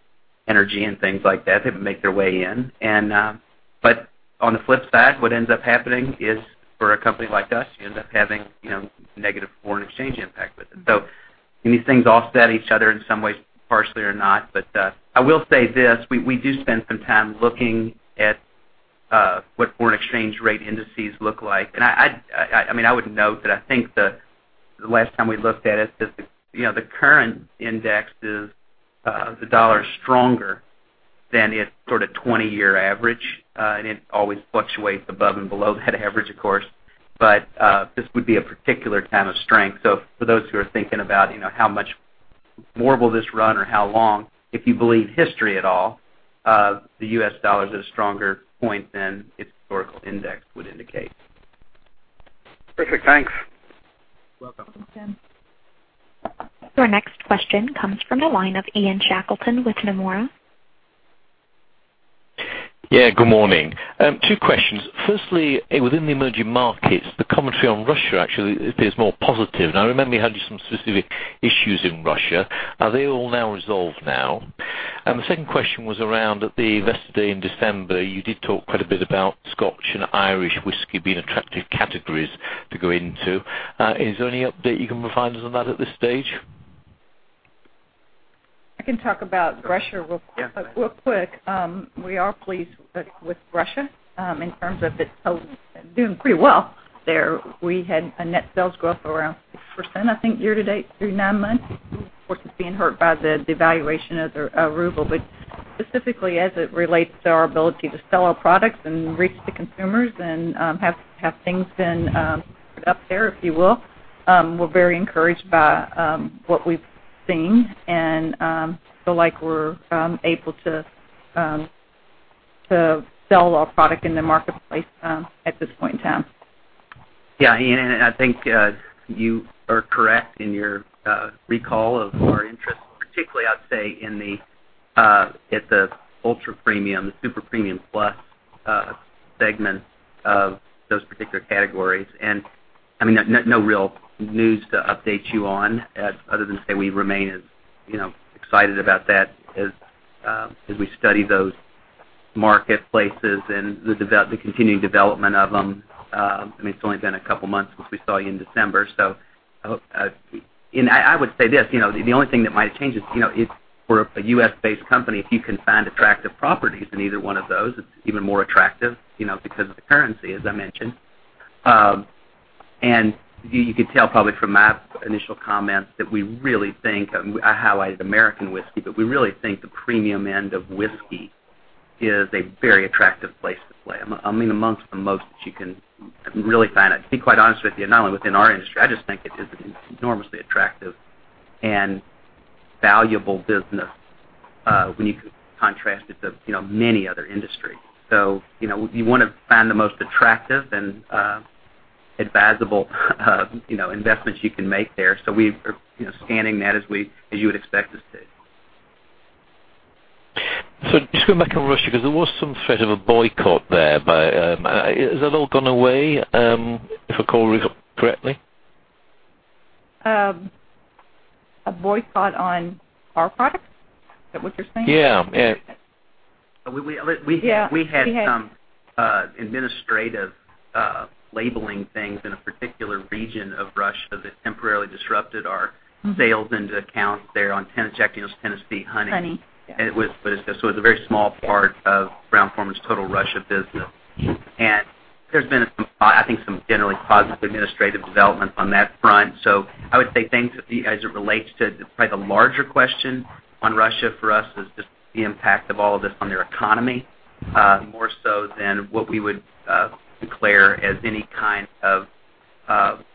energy and things like that would make their way in. On the flip side, what ends up happening is for a company like us, you end up having negative foreign exchange impact with it. These things offset each other in some ways, partially or not, I will say this, we do spend some time looking at what foreign exchange rate indices look like. I would note that I think the last time we looked at it, the current index is, the dollar is stronger than its 20-year average, and it always fluctuates above and below that average, of course. This would be a particular kind of strength. For those who are thinking about how much more will this run or how long, if you believe history at all, the U.S. dollar is at a stronger point than its historical index would indicate. Perfect. Thanks. You're welcome. Thanks, Tim. Your next question comes from the line of Ian Shackleton with Nomura. Yeah, good morning. Two questions. Firstly, within the emerging markets, the commentary on Russia actually appears more positive. Now, I remember you had some specific issues in Russia. Are they all now resolved now? The second question was around at the Investor Day in December, you did talk quite a bit about Scotch and Irish whiskey being attractive categories to go into. Is there any update you can provide us on that at this stage? I can talk about Russia real quick. We are pleased with Russia. Doing pretty well there. We had a net sales growth of around 6%, I think, year to date through nine months. Of course, it's being hurt by the devaluation of the ruble. Specifically, as it relates to our ability to sell our products and reach the consumers and have things been up there, if you will. We're very encouraged by what we've seen, and feel like we're able to sell our product in the marketplace at this point in time. Yeah, Ian, I think, you are correct in your recall of our interest, particularly I'd say at the ultra premium, the super premium plus segment of those particular categories. No real news to update you on, other than say we remain as excited about that as we study those marketplaces and the continuing development of them. It's only been a couple of months since we saw you in December. I would say this, the only thing that might change is, if we're a U.S.-based company, if you can find attractive properties in either one of those, it's even more attractive, because of the currency, as I mentioned. You could tell probably from my initial comments that we really think, I highlighted American Whiskey, but we really think the premium end of whiskey is a very attractive place to play. Amongst the most that you can really find. I'll be quite honest with you, not only within our industry, I just think it is an enormously attractive and valuable business, when you contrast it to many other industries. You want to find the most attractive and advisable investments you can make there. We are scanning that as you would expect us to. Just going back on Russia, because there was some threat of a boycott there. Has that all gone away? If I recall correctly. A boycott on our products? Is that what you're saying? Yeah. We had some administrative labeling things in a particular region of Russia that temporarily disrupted our sales into accounts there on Tennessee Honey. Honey. It was a very small part of Brown-Forman's total Russia business. There's been, I think, some generally positive administrative developments on that front. I would say things as it relates to probably the larger question on Russia for us is just the impact of all of this on their economy, more so than what we would declare as any kind of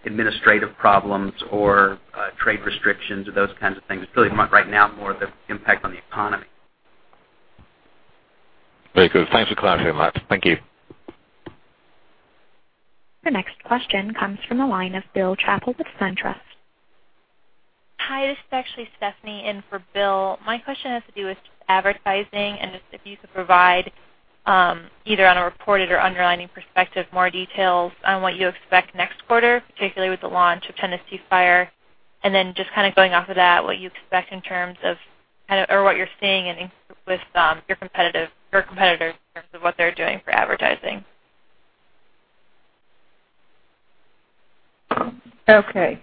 administrative problems or trade restrictions or those kinds of things. It's really right now more the impact on the economy. Very good. Thanks for clarifying that. Thank you. Your next question comes from the line of Bill Chappell with SunTrust. Hi, this is actually Stephanie in for Bill. My question has to do with just advertising, and just if you could provide either on a reported or underlying perspective, more details on what you expect next quarter, particularly with the launch of Tennessee Fire. Just going off of that, what you expect in terms of, or what you're seeing with your competitors in terms of what they're doing for advertising. Okay.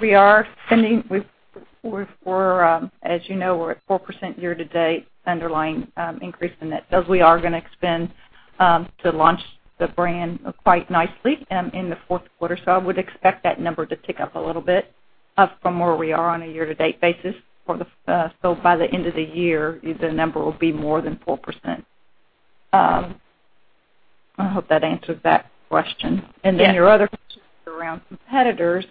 We are spending, as you know, we're at 4% year-to-date underlying increase in that. We are going to expand to launch the brand quite nicely in the fourth quarter. I would expect that number to tick up a little bit up from where we are on a year-to-date basis. By the end of the year, the number will be more than 4%. I hope that answered that question. Yes. Your other question around competitors,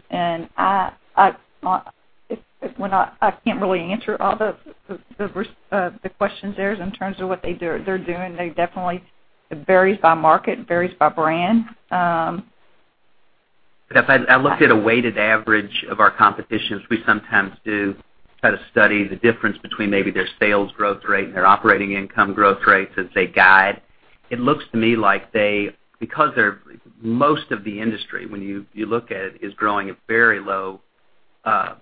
I can't really answer all the questions there in terms of what they're doing. They definitely, it varies by market, varies by brand. If I looked at a weighted average of our competitions, we sometimes do try to study the difference between maybe their sales growth rate and their operating income growth rates as they guide. It looks to me like they, because most of the industry, when you look at it, is growing at very low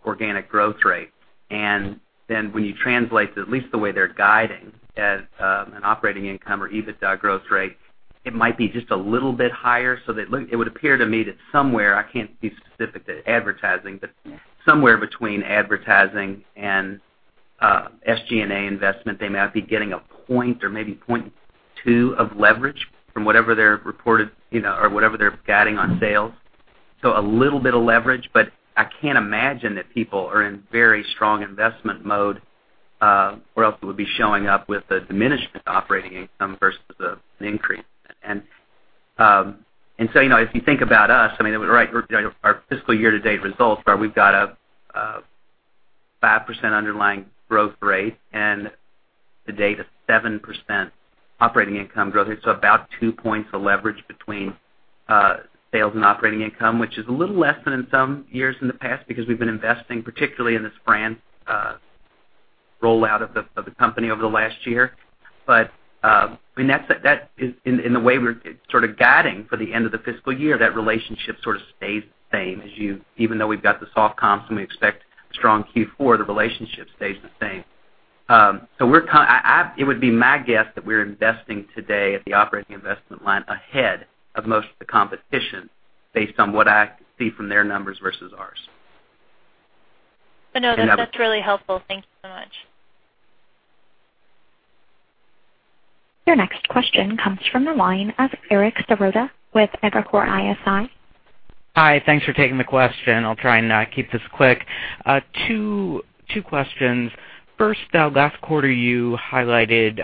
organic growth rate. When you translate, at least the way they're guiding as an operating income or EBITDA growth rate, it might be just a little bit higher. It would appear to me that somewhere, I can't be specific to advertising, but somewhere between advertising and SG&A investment, they might be getting a point or maybe point two of leverage from whatever their reported or whatever they're guiding on sales. A little bit of leverage, but I can't imagine that people are in very strong investment mode, or else it would be showing up with a diminishment operating income versus an increase. If you think about us, our fiscal year-to-date results are, we've got a 5% underlying growth rate and the date of 7% operating income growth rate. About two points of leverage between sales and operating income, which is a little less than in some years in the past, because we've been investing particularly in this brand rollout of the company over the last year. That is in the way we're sort of guiding for the end of the fiscal year, that relationship sort of stays the same as you, even though we've got the soft comps and we expect strong Q4, the relationship stays the same. It would be my guess that we're investing today at the operating investment line ahead of most of the competition, based on what I see from their numbers versus ours. No, that's really helpful. Thank you so much. Your next question comes from the line of Eric Serotta with Evercore ISI. Hi, thanks for taking the question. I'll try and keep this quick. Two questions. First, last quarter you highlighted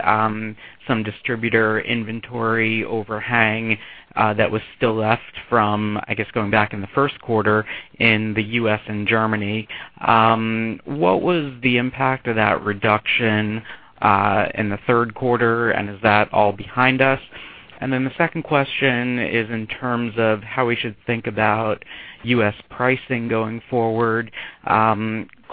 some distributor inventory overhang that was still left from, I guess, going back in the first quarter in the U.S. and Germany. What was the impact of that reduction in the third quarter, and is that all behind us? The second question is in terms of how we should think about U.S. pricing going forward.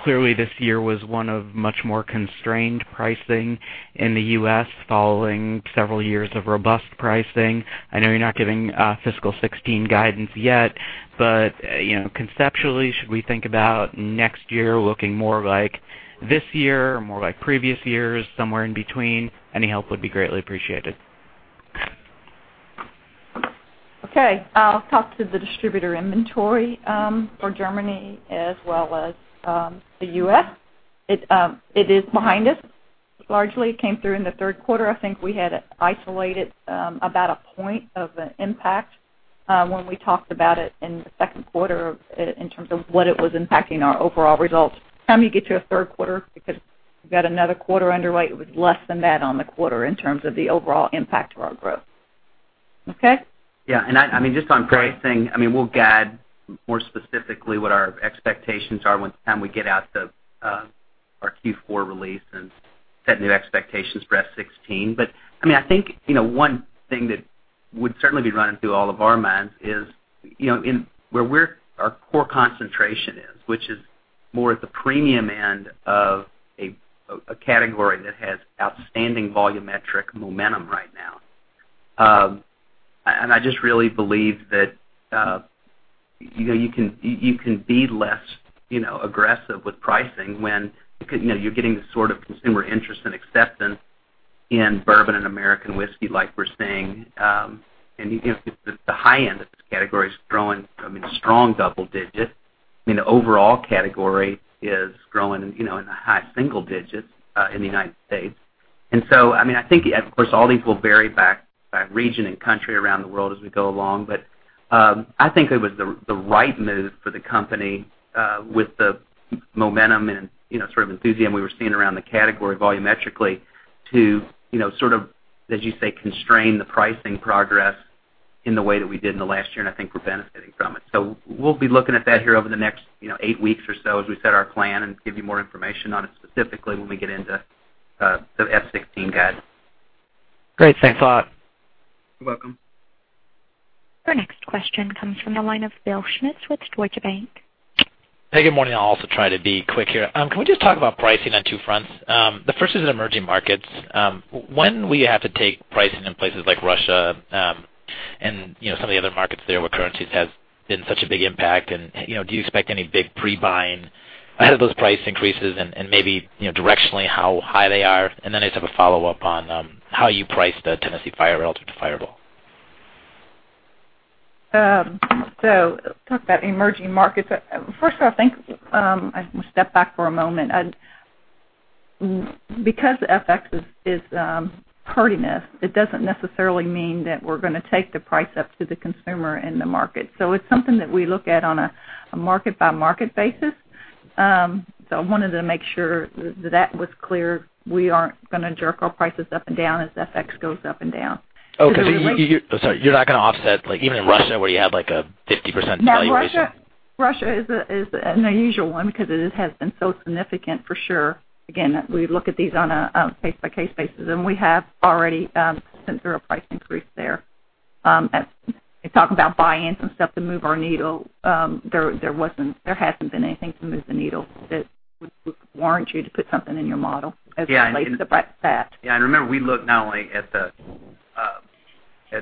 Clearly, this year was one of much more constrained pricing in the U.S. following several years of robust pricing. I know you're not giving fiscal 2016 guidance yet, but conceptually, should we think about next year looking more like this year or more like previous years, somewhere in between? Any help would be greatly appreciated. Okay. I'll talk to the distributor inventory for Germany as well as the U.S. It is behind us. Largely came through in the third quarter. I think we had isolated about a point of impact when we talked about it in the second quarter in terms of what it was impacting our overall results. By the time you get to a third quarter, because we've got another quarter underway, it was less than that on the quarter in terms of the overall impact to our growth. Okay? Yeah, just on pricing, we'll guide more specifically what our expectations are once we get out our Q4 release and set new expectations for fiscal 2016. I think one thing that would certainly be running through all of our minds is where our core concentration is, which is more at the premium end of a category that has outstanding volumetric momentum right now. I just really believe that you can be less aggressive with pricing when you're getting the sort of consumer interest and acceptance in bourbon and American whiskey like we're seeing. The high end of this category is growing, strong double-digit. The overall category is growing in the high single-digits in the United States. I think, of course, all these will vary by region and country around the world as we go along. I think it was the right move for the company with the momentum and sort of enthusiasm we were seeing around the category volumetrically to sort of, as you say, constrain the pricing progress in the way that we did in the last year, and I think we're benefiting from it. We'll be looking at that here over the next 8 weeks or so as we set our plan and give you more information on it specifically when we get into the fiscal 2016 guide. Great. Thanks a lot. You're welcome. Our next question comes from the line of Bill Schmitz with Deutsche Bank. Hey, good morning. I'll also try to be quick here. Can we just talk about pricing on two fronts? The first is in emerging markets. When we have to take pricing in places like Russia, and some of the other markets there where currencies have been such a big impact, do you expect any big pre-buying ahead of those price increases? Maybe, directionally, how high they are? I just have a follow-up on how you price the Tennessee Fire relative to Fireball. Talk about emerging markets. First of all, I think I'm going to step back for a moment. Because FX is hurting us, it doesn't necessarily mean that we're going to take the price up to the consumer in the market. It's something that we look at on a market-by-market basis. I wanted to make sure that was clear. We aren't going to jerk our prices up and down as FX goes up and down. Okay. You're not going to offset, even in Russia, where you have a 50% valuation? Now, Russia is an unusual one because it has been so significant, for sure. Again, we look at these on a case-by-case basis, we have already sent through a price increase there. As you talk about buy-ins and stuff to move our needle, there hasn't been anything to move the needle that would warrant you to put something in your model as it relates to that. Yeah, remember, we look not only at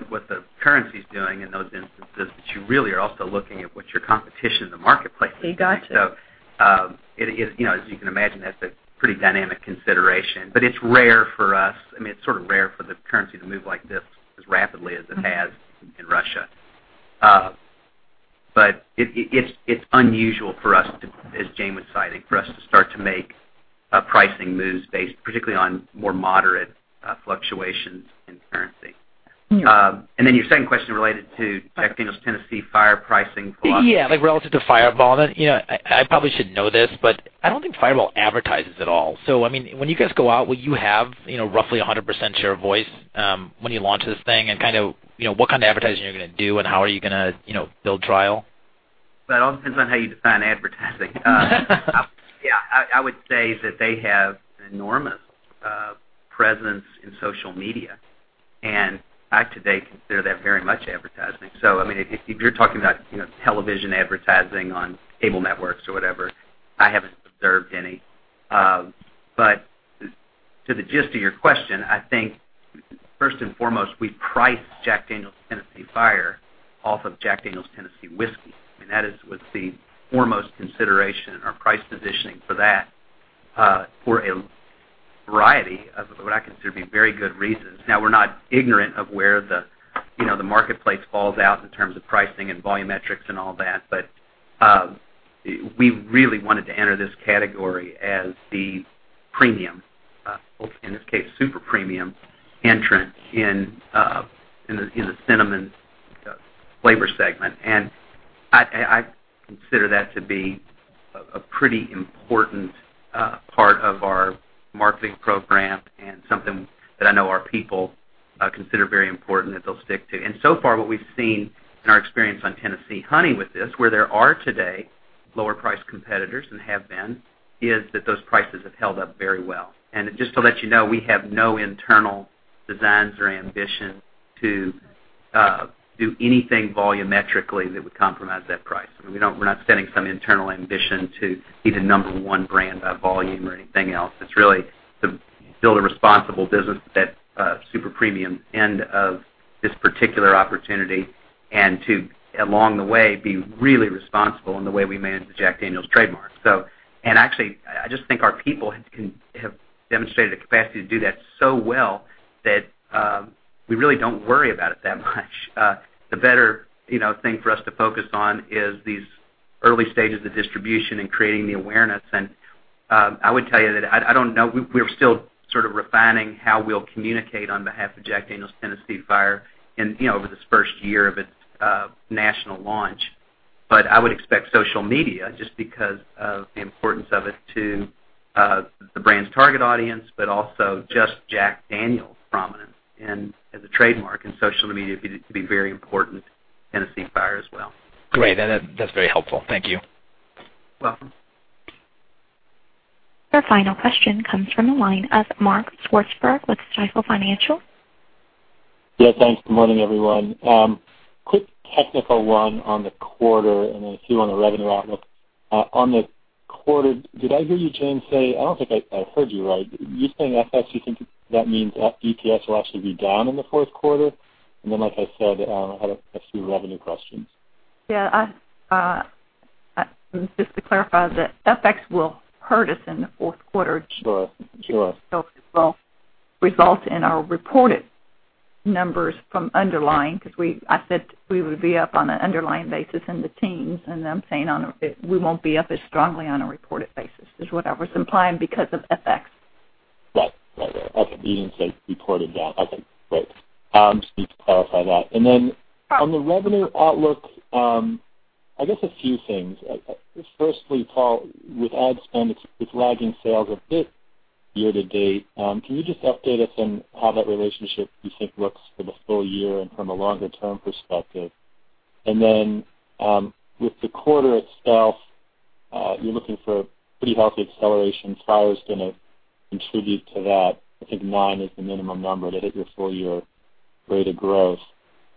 what the currency's doing in those instances, but you really are also looking at what your competition in the marketplace is doing. You gotcha. As you can imagine, that's a pretty dynamic consideration. It's rare for us, I mean, it's sort of rare for the currency to move like this as rapidly as it has in Russia. It's unusual for us to, as Jane was citing, for us to start to make pricing moves based particularly on more moderate fluctuations in currency. Yeah. Your second question related to Jack Daniel's Tennessee Fire pricing philosophy. Yeah, like relative to Fireball. I probably should know this, but I don't think Fireball advertises at all. I mean, when you guys go out, will you have roughly 100% share of voice when you launch this thing? What kind of advertising are you going to do, and how are you going to build trial? That all depends on how you define advertising. Yeah. I would say that they have an enormous presence in social media, and I, today, consider that very much advertising. If you're talking about television advertising on cable networks or whatever, I haven't observed any. To the gist of your question, I think first and foremost, we price Jack Daniel's Tennessee Fire off of Jack Daniel's Tennessee Whiskey, and that is with the foremost consideration in our price positioning for that, for a variety of what I consider to be very good reasons. Now, we're not ignorant of where the marketplace falls out in terms of pricing and volumetrics and all that. We really wanted to enter this category as the premium, in this case, super premium entrant in the cinnamon flavor segment. I consider that to be a pretty important part of our marketing program and something that I know our people consider very important that they'll stick to. What we've seen in our experience on Tennessee Honey with this, where there are today lower priced competitors and have been, is that those prices have held up very well. Just to let you know, we have no internal designs or ambition to do anything volumetrically that would compromise that price. I mean, we're not setting some internal ambition to be the number one brand by volume or anything else. It's really to build a responsible business at super premium end of this particular opportunity and to, along the way, be really responsible in the way we manage the Jack Daniel's trademark. I just think our people have demonstrated a capacity to do that so well that we really don't worry about it that much. The better thing for us to focus on is these early stages of distribution and creating the awareness. I would tell you that I don't know, we're still sort of refining how we'll communicate on behalf of Jack Daniel's Tennessee Fire over this first year of its national launch. I would expect social media, just because of the importance of it to the brand's target audience, but also just Jack Daniel's prominence as a trademark in social media to be very important, Tennessee Fire as well. Great. That's very helpful. Thank you. Welcome. Our final question comes from the line of Mark Swartzberg with Stifel Financial. Yeah, thanks. Good morning, everyone. Quick technical one on the quarter, then a few on the revenue outlook. On the quarter, did I hear you, Jane, say, I don't think I heard you right. You're saying FX, you think that means EPS will actually be down in the fourth quarter? Like I said, I had a few revenue questions. Yeah. Just to clarify that FX will hurt us in the fourth quarter. Sure. It will result in our reported numbers from underlying, because I said we would be up on an underlying basis in the teens, and I'm saying we won't be up as strongly on a reported basis is what I was implying because of FX. Right. Okay. You didn't say reported down. Okay, great. Just need to clarify that. Then on the revenue outlook, I guess a few things. Firstly, Paul, with ad spend, it's lagging sales a bit year to date. Can you just update us on how that relationship, you think, looks for the full year and from a longer-term perspective? Then, with the quarter itself, you're looking for pretty healthy acceleration. Fire is going to contribute to that. I think nine is the minimum number to hit your full year rate of growth.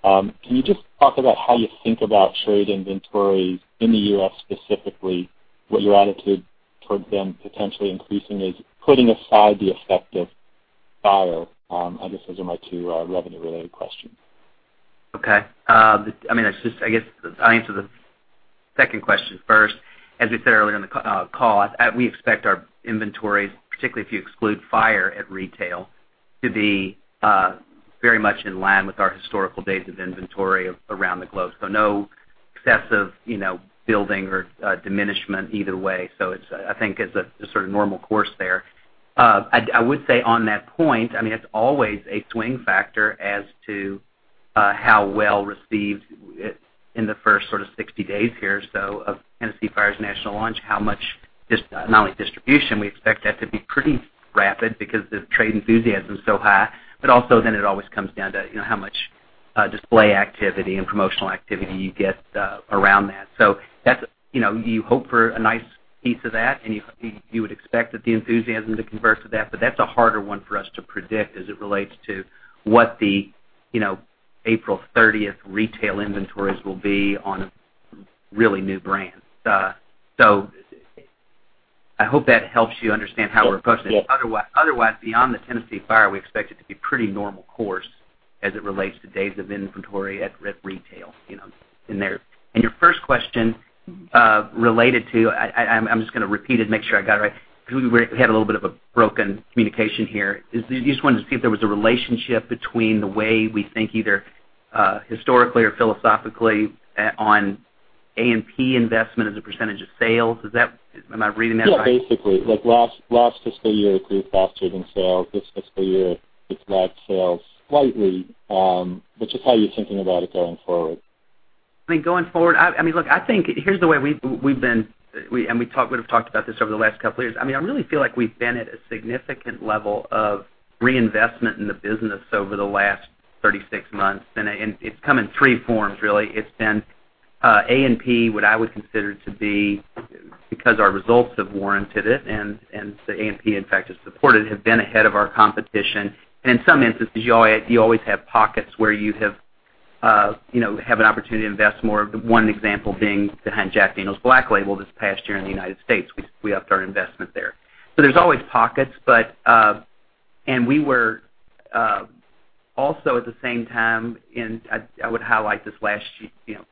Can you just talk about how you think about trade inventories in the U.S. specifically, what your attitude towards them potentially increasing is, putting aside the effect of Fire? I guess those are my two revenue-related questions. Okay. I guess I'll answer the second question first. As we said earlier in the call, we expect our inventories, particularly if you exclude Fire at retail, to be very much in line with our historical days of inventory around the globe. No excessive building or diminishment either way. I think it's a sort of normal course there. I would say on that point, it's always a swing factor as to how well received in the first 60 days here of Tennessee Fire's national launch, how much, not only distribution, we expect that to be pretty rapid because the trade enthusiasm's so high, but also then it always comes down to how much display activity and promotional activity you get around that. You hope for a nice piece of that, and you would expect the enthusiasm to convert to that, but that's a harder one for us to predict as it relates to what the April 30th retail inventories will be on a really new brand. I hope that helps you understand how we're approaching it. Yeah. Otherwise, beyond the Jack Daniel's Tennessee Fire, we expect it to be pretty normal course as it relates to days of inventory at retail. Your first question, related to, I'm just going to repeat it, make sure I got it right, because we had a little bit of a broken communication here. You just wanted to see if there was a relationship between the way we think, either historically or philosophically, on A&P investment as a % of sales. Am I reading that right? Yeah, basically. Like last fiscal year, it grew faster than sales. This fiscal year, it lagged sales slightly. Just how you're thinking about it going forward. Going forward, here's the way we've been, we would've talked about this over the last couple of years. I really feel like we've been at a significant level of reinvestment in the business over the last 36 months, and it's come in three forms, really. It's been A&P, what I would consider to be, because our results have warranted it, the A&P, in fact, has supported, have been ahead of our competition. In some instances, you always have pockets where you have an opportunity to invest more. One example being behind Jack Daniel's Black Label this past year in the U.S. We upped our investment there. There's always pockets, we were also, at the same time, I would highlight this last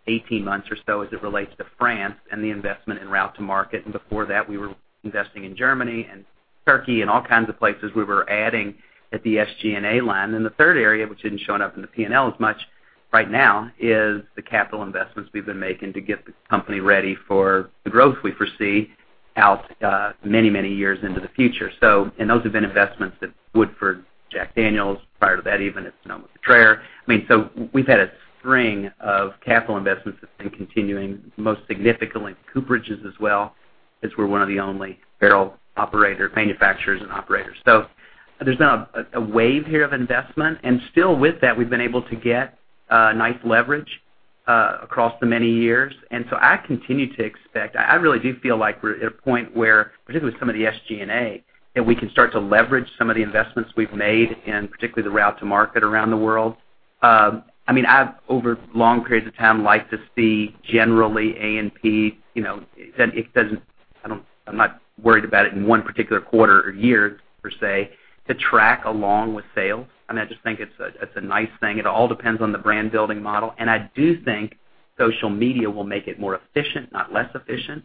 18 months or so as it relates to France and the investment in route to market. Before that, we were investing in Germany and Turkey and all kinds of places. We were adding at the SG&A line. The third area, which isn't showing up in the P&L as much right now, is the capital investments we've been making to get the company ready for the growth we foresee out many years into the future. Those have been investments at Woodford, Jack Daniel's, prior to that even, at Sonoma-Cutrer. We've had a string of capital investments that's been continuing, most significantly in cooperages as well, since we're one of the only barrel manufacturers and operators. There's been a wave here of investment, still with that, we've been able to get nice leverage across the many years. I continue to expect, I really do feel like we're at a point where, particularly with some of the SG&A, that we can start to leverage some of the investments we've made, and particularly the route to market around the world. I've, over long periods of time, liked to see generally A&P, I'm not worried about it in one particular quarter or year, per se, to track along with sales. I just think it's a nice thing. It all depends on the brand-building model. I do think social media will make it more efficient, not less efficient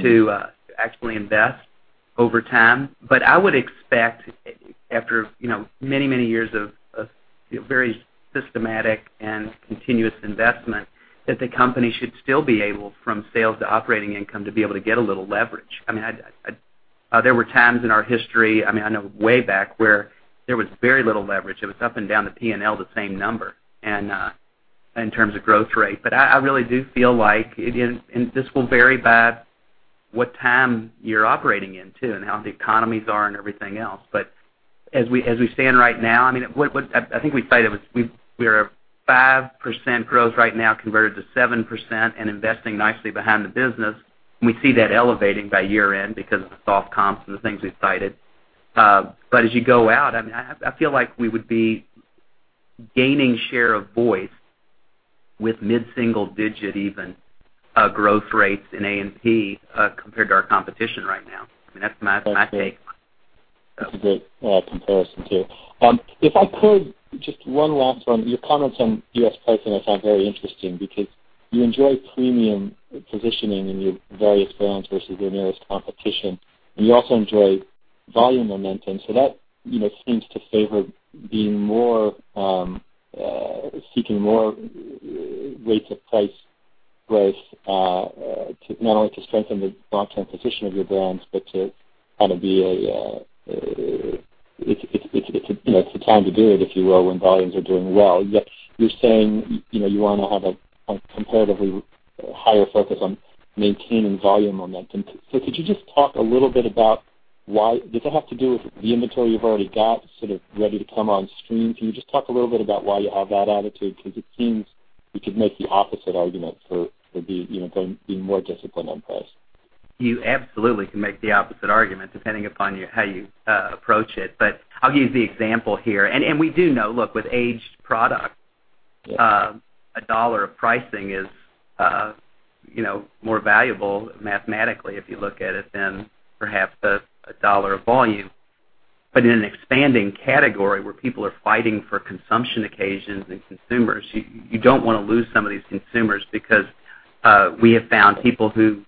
to actually invest over time. I would expect, after many years of very systematic and continuous investment, that the company should still be able, from sales to operating income, to be able to get a little leverage. There were times in our history, I know way back, where there was very little leverage. It was up and down the P&L the same number in terms of growth rate. I really do feel like, and this will vary by what time you're operating in, too, and how the economies are and everything else. As we stand right now, I think we'd say that we are at 5% growth right now, converted to 7%, and investing nicely behind the business. We see that elevating by year-end because of the soft comps and the things we've cited. As you go out, I feel like we would be gaining share of voice with mid-single digit even, growth rates in A&P, compared to our competition right now. That's my take. That's a great comparison, too. If I could, just one last one. Your comments on U.S. pricing I found very interesting, because you enjoy premium positioning in your various brands versus your nearest competition, and you also enjoy volume momentum, so that seems to favor seeking more rates of price growth, not only to strengthen the long-term position of your brands, but it's the time to do it, if you will, when volumes are doing well. Yet you're saying you want to have a comparatively higher focus on maintaining volume momentum. Could you just talk a little bit about why? Does that have to do with the inventory you've already got sort of ready to come on stream? Can you just talk a little bit about why you have that attitude? Because it seems you could make the opposite argument for being more disciplined on price. You absolutely can make the opposite argument depending upon how you approach it. I'll give the example here. We do know, look, with aged product, a $1 of pricing is more valuable mathematically if you look at it than perhaps a $1 of volume. In an expanding category where people are fighting for consumption occasions and consumers, you don't want to lose some of these consumers because we have found people who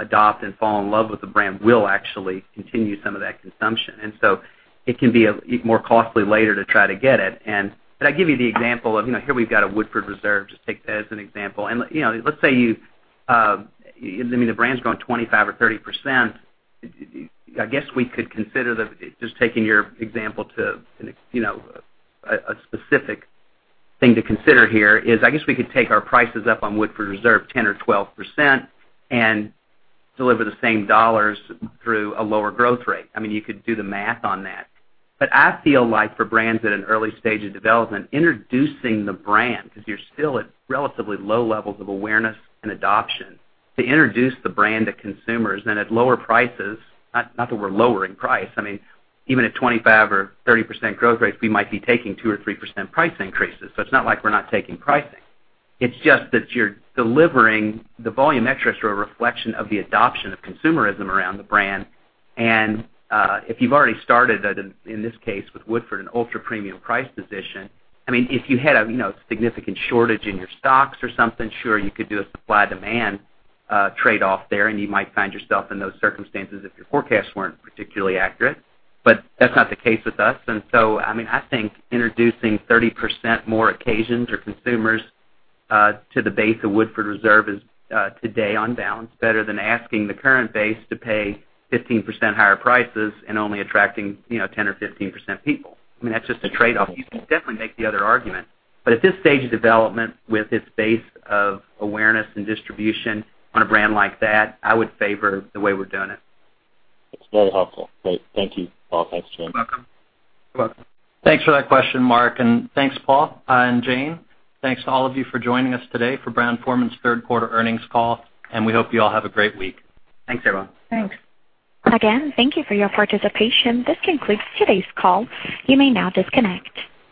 adopt and fall in love with the brand will actually continue some of that consumption. It can be more costly later to try to get it. Did I give you the example of, here we've got a Woodford Reserve, just take that as an example. Let's say, the brand's grown 25% or 30%. I guess we could consider, just taking your example to a specific thing to consider here is, I guess we could take our prices up on Woodford Reserve 10% or 12% and deliver the same dollars through a lower growth rate. You could do the math on that. I feel like for brands at an early stage of development, introducing the brand, because you're still at relatively low levels of awareness and adoption, to introduce the brand to consumers, then at lower prices, not that we're lowering price. Even at 25% or 30% growth rates, we might be taking 2% or 3% price increases. It's not like we're not taking pricing. It's just that you're delivering the volume extras are a reflection of the adoption of consumerism around the brand. If you've already started, in this case with Woodford, an ultra-premium price position, if you had a significant shortage in your stocks or something, sure, you could do a supply/demand trade-off there, and you might find yourself in those circumstances if your forecasts weren't particularly accurate. That's not the case with us. I think introducing 30% more occasions or consumers to the base of Woodford Reserve is today on balance better than asking the current base to pay 15% higher prices and only attracting 10% or 15% people. That's just a trade-off. You can definitely make the other argument. At this stage of development, with this base of awareness and distribution on a brand like that, I would favor the way we're doing it. That's very helpful. Great. Thank you, Paul. Thanks, Jane. You're welcome. Thanks for that question, Mark, and thanks Paul and Jane. Thanks to all of you for joining us today for Brown-Forman's third quarter earnings call, and we hope you all have a great week. Thanks, everyone. Thanks. Again, thank you for your participation. This concludes today's call. You may now disconnect.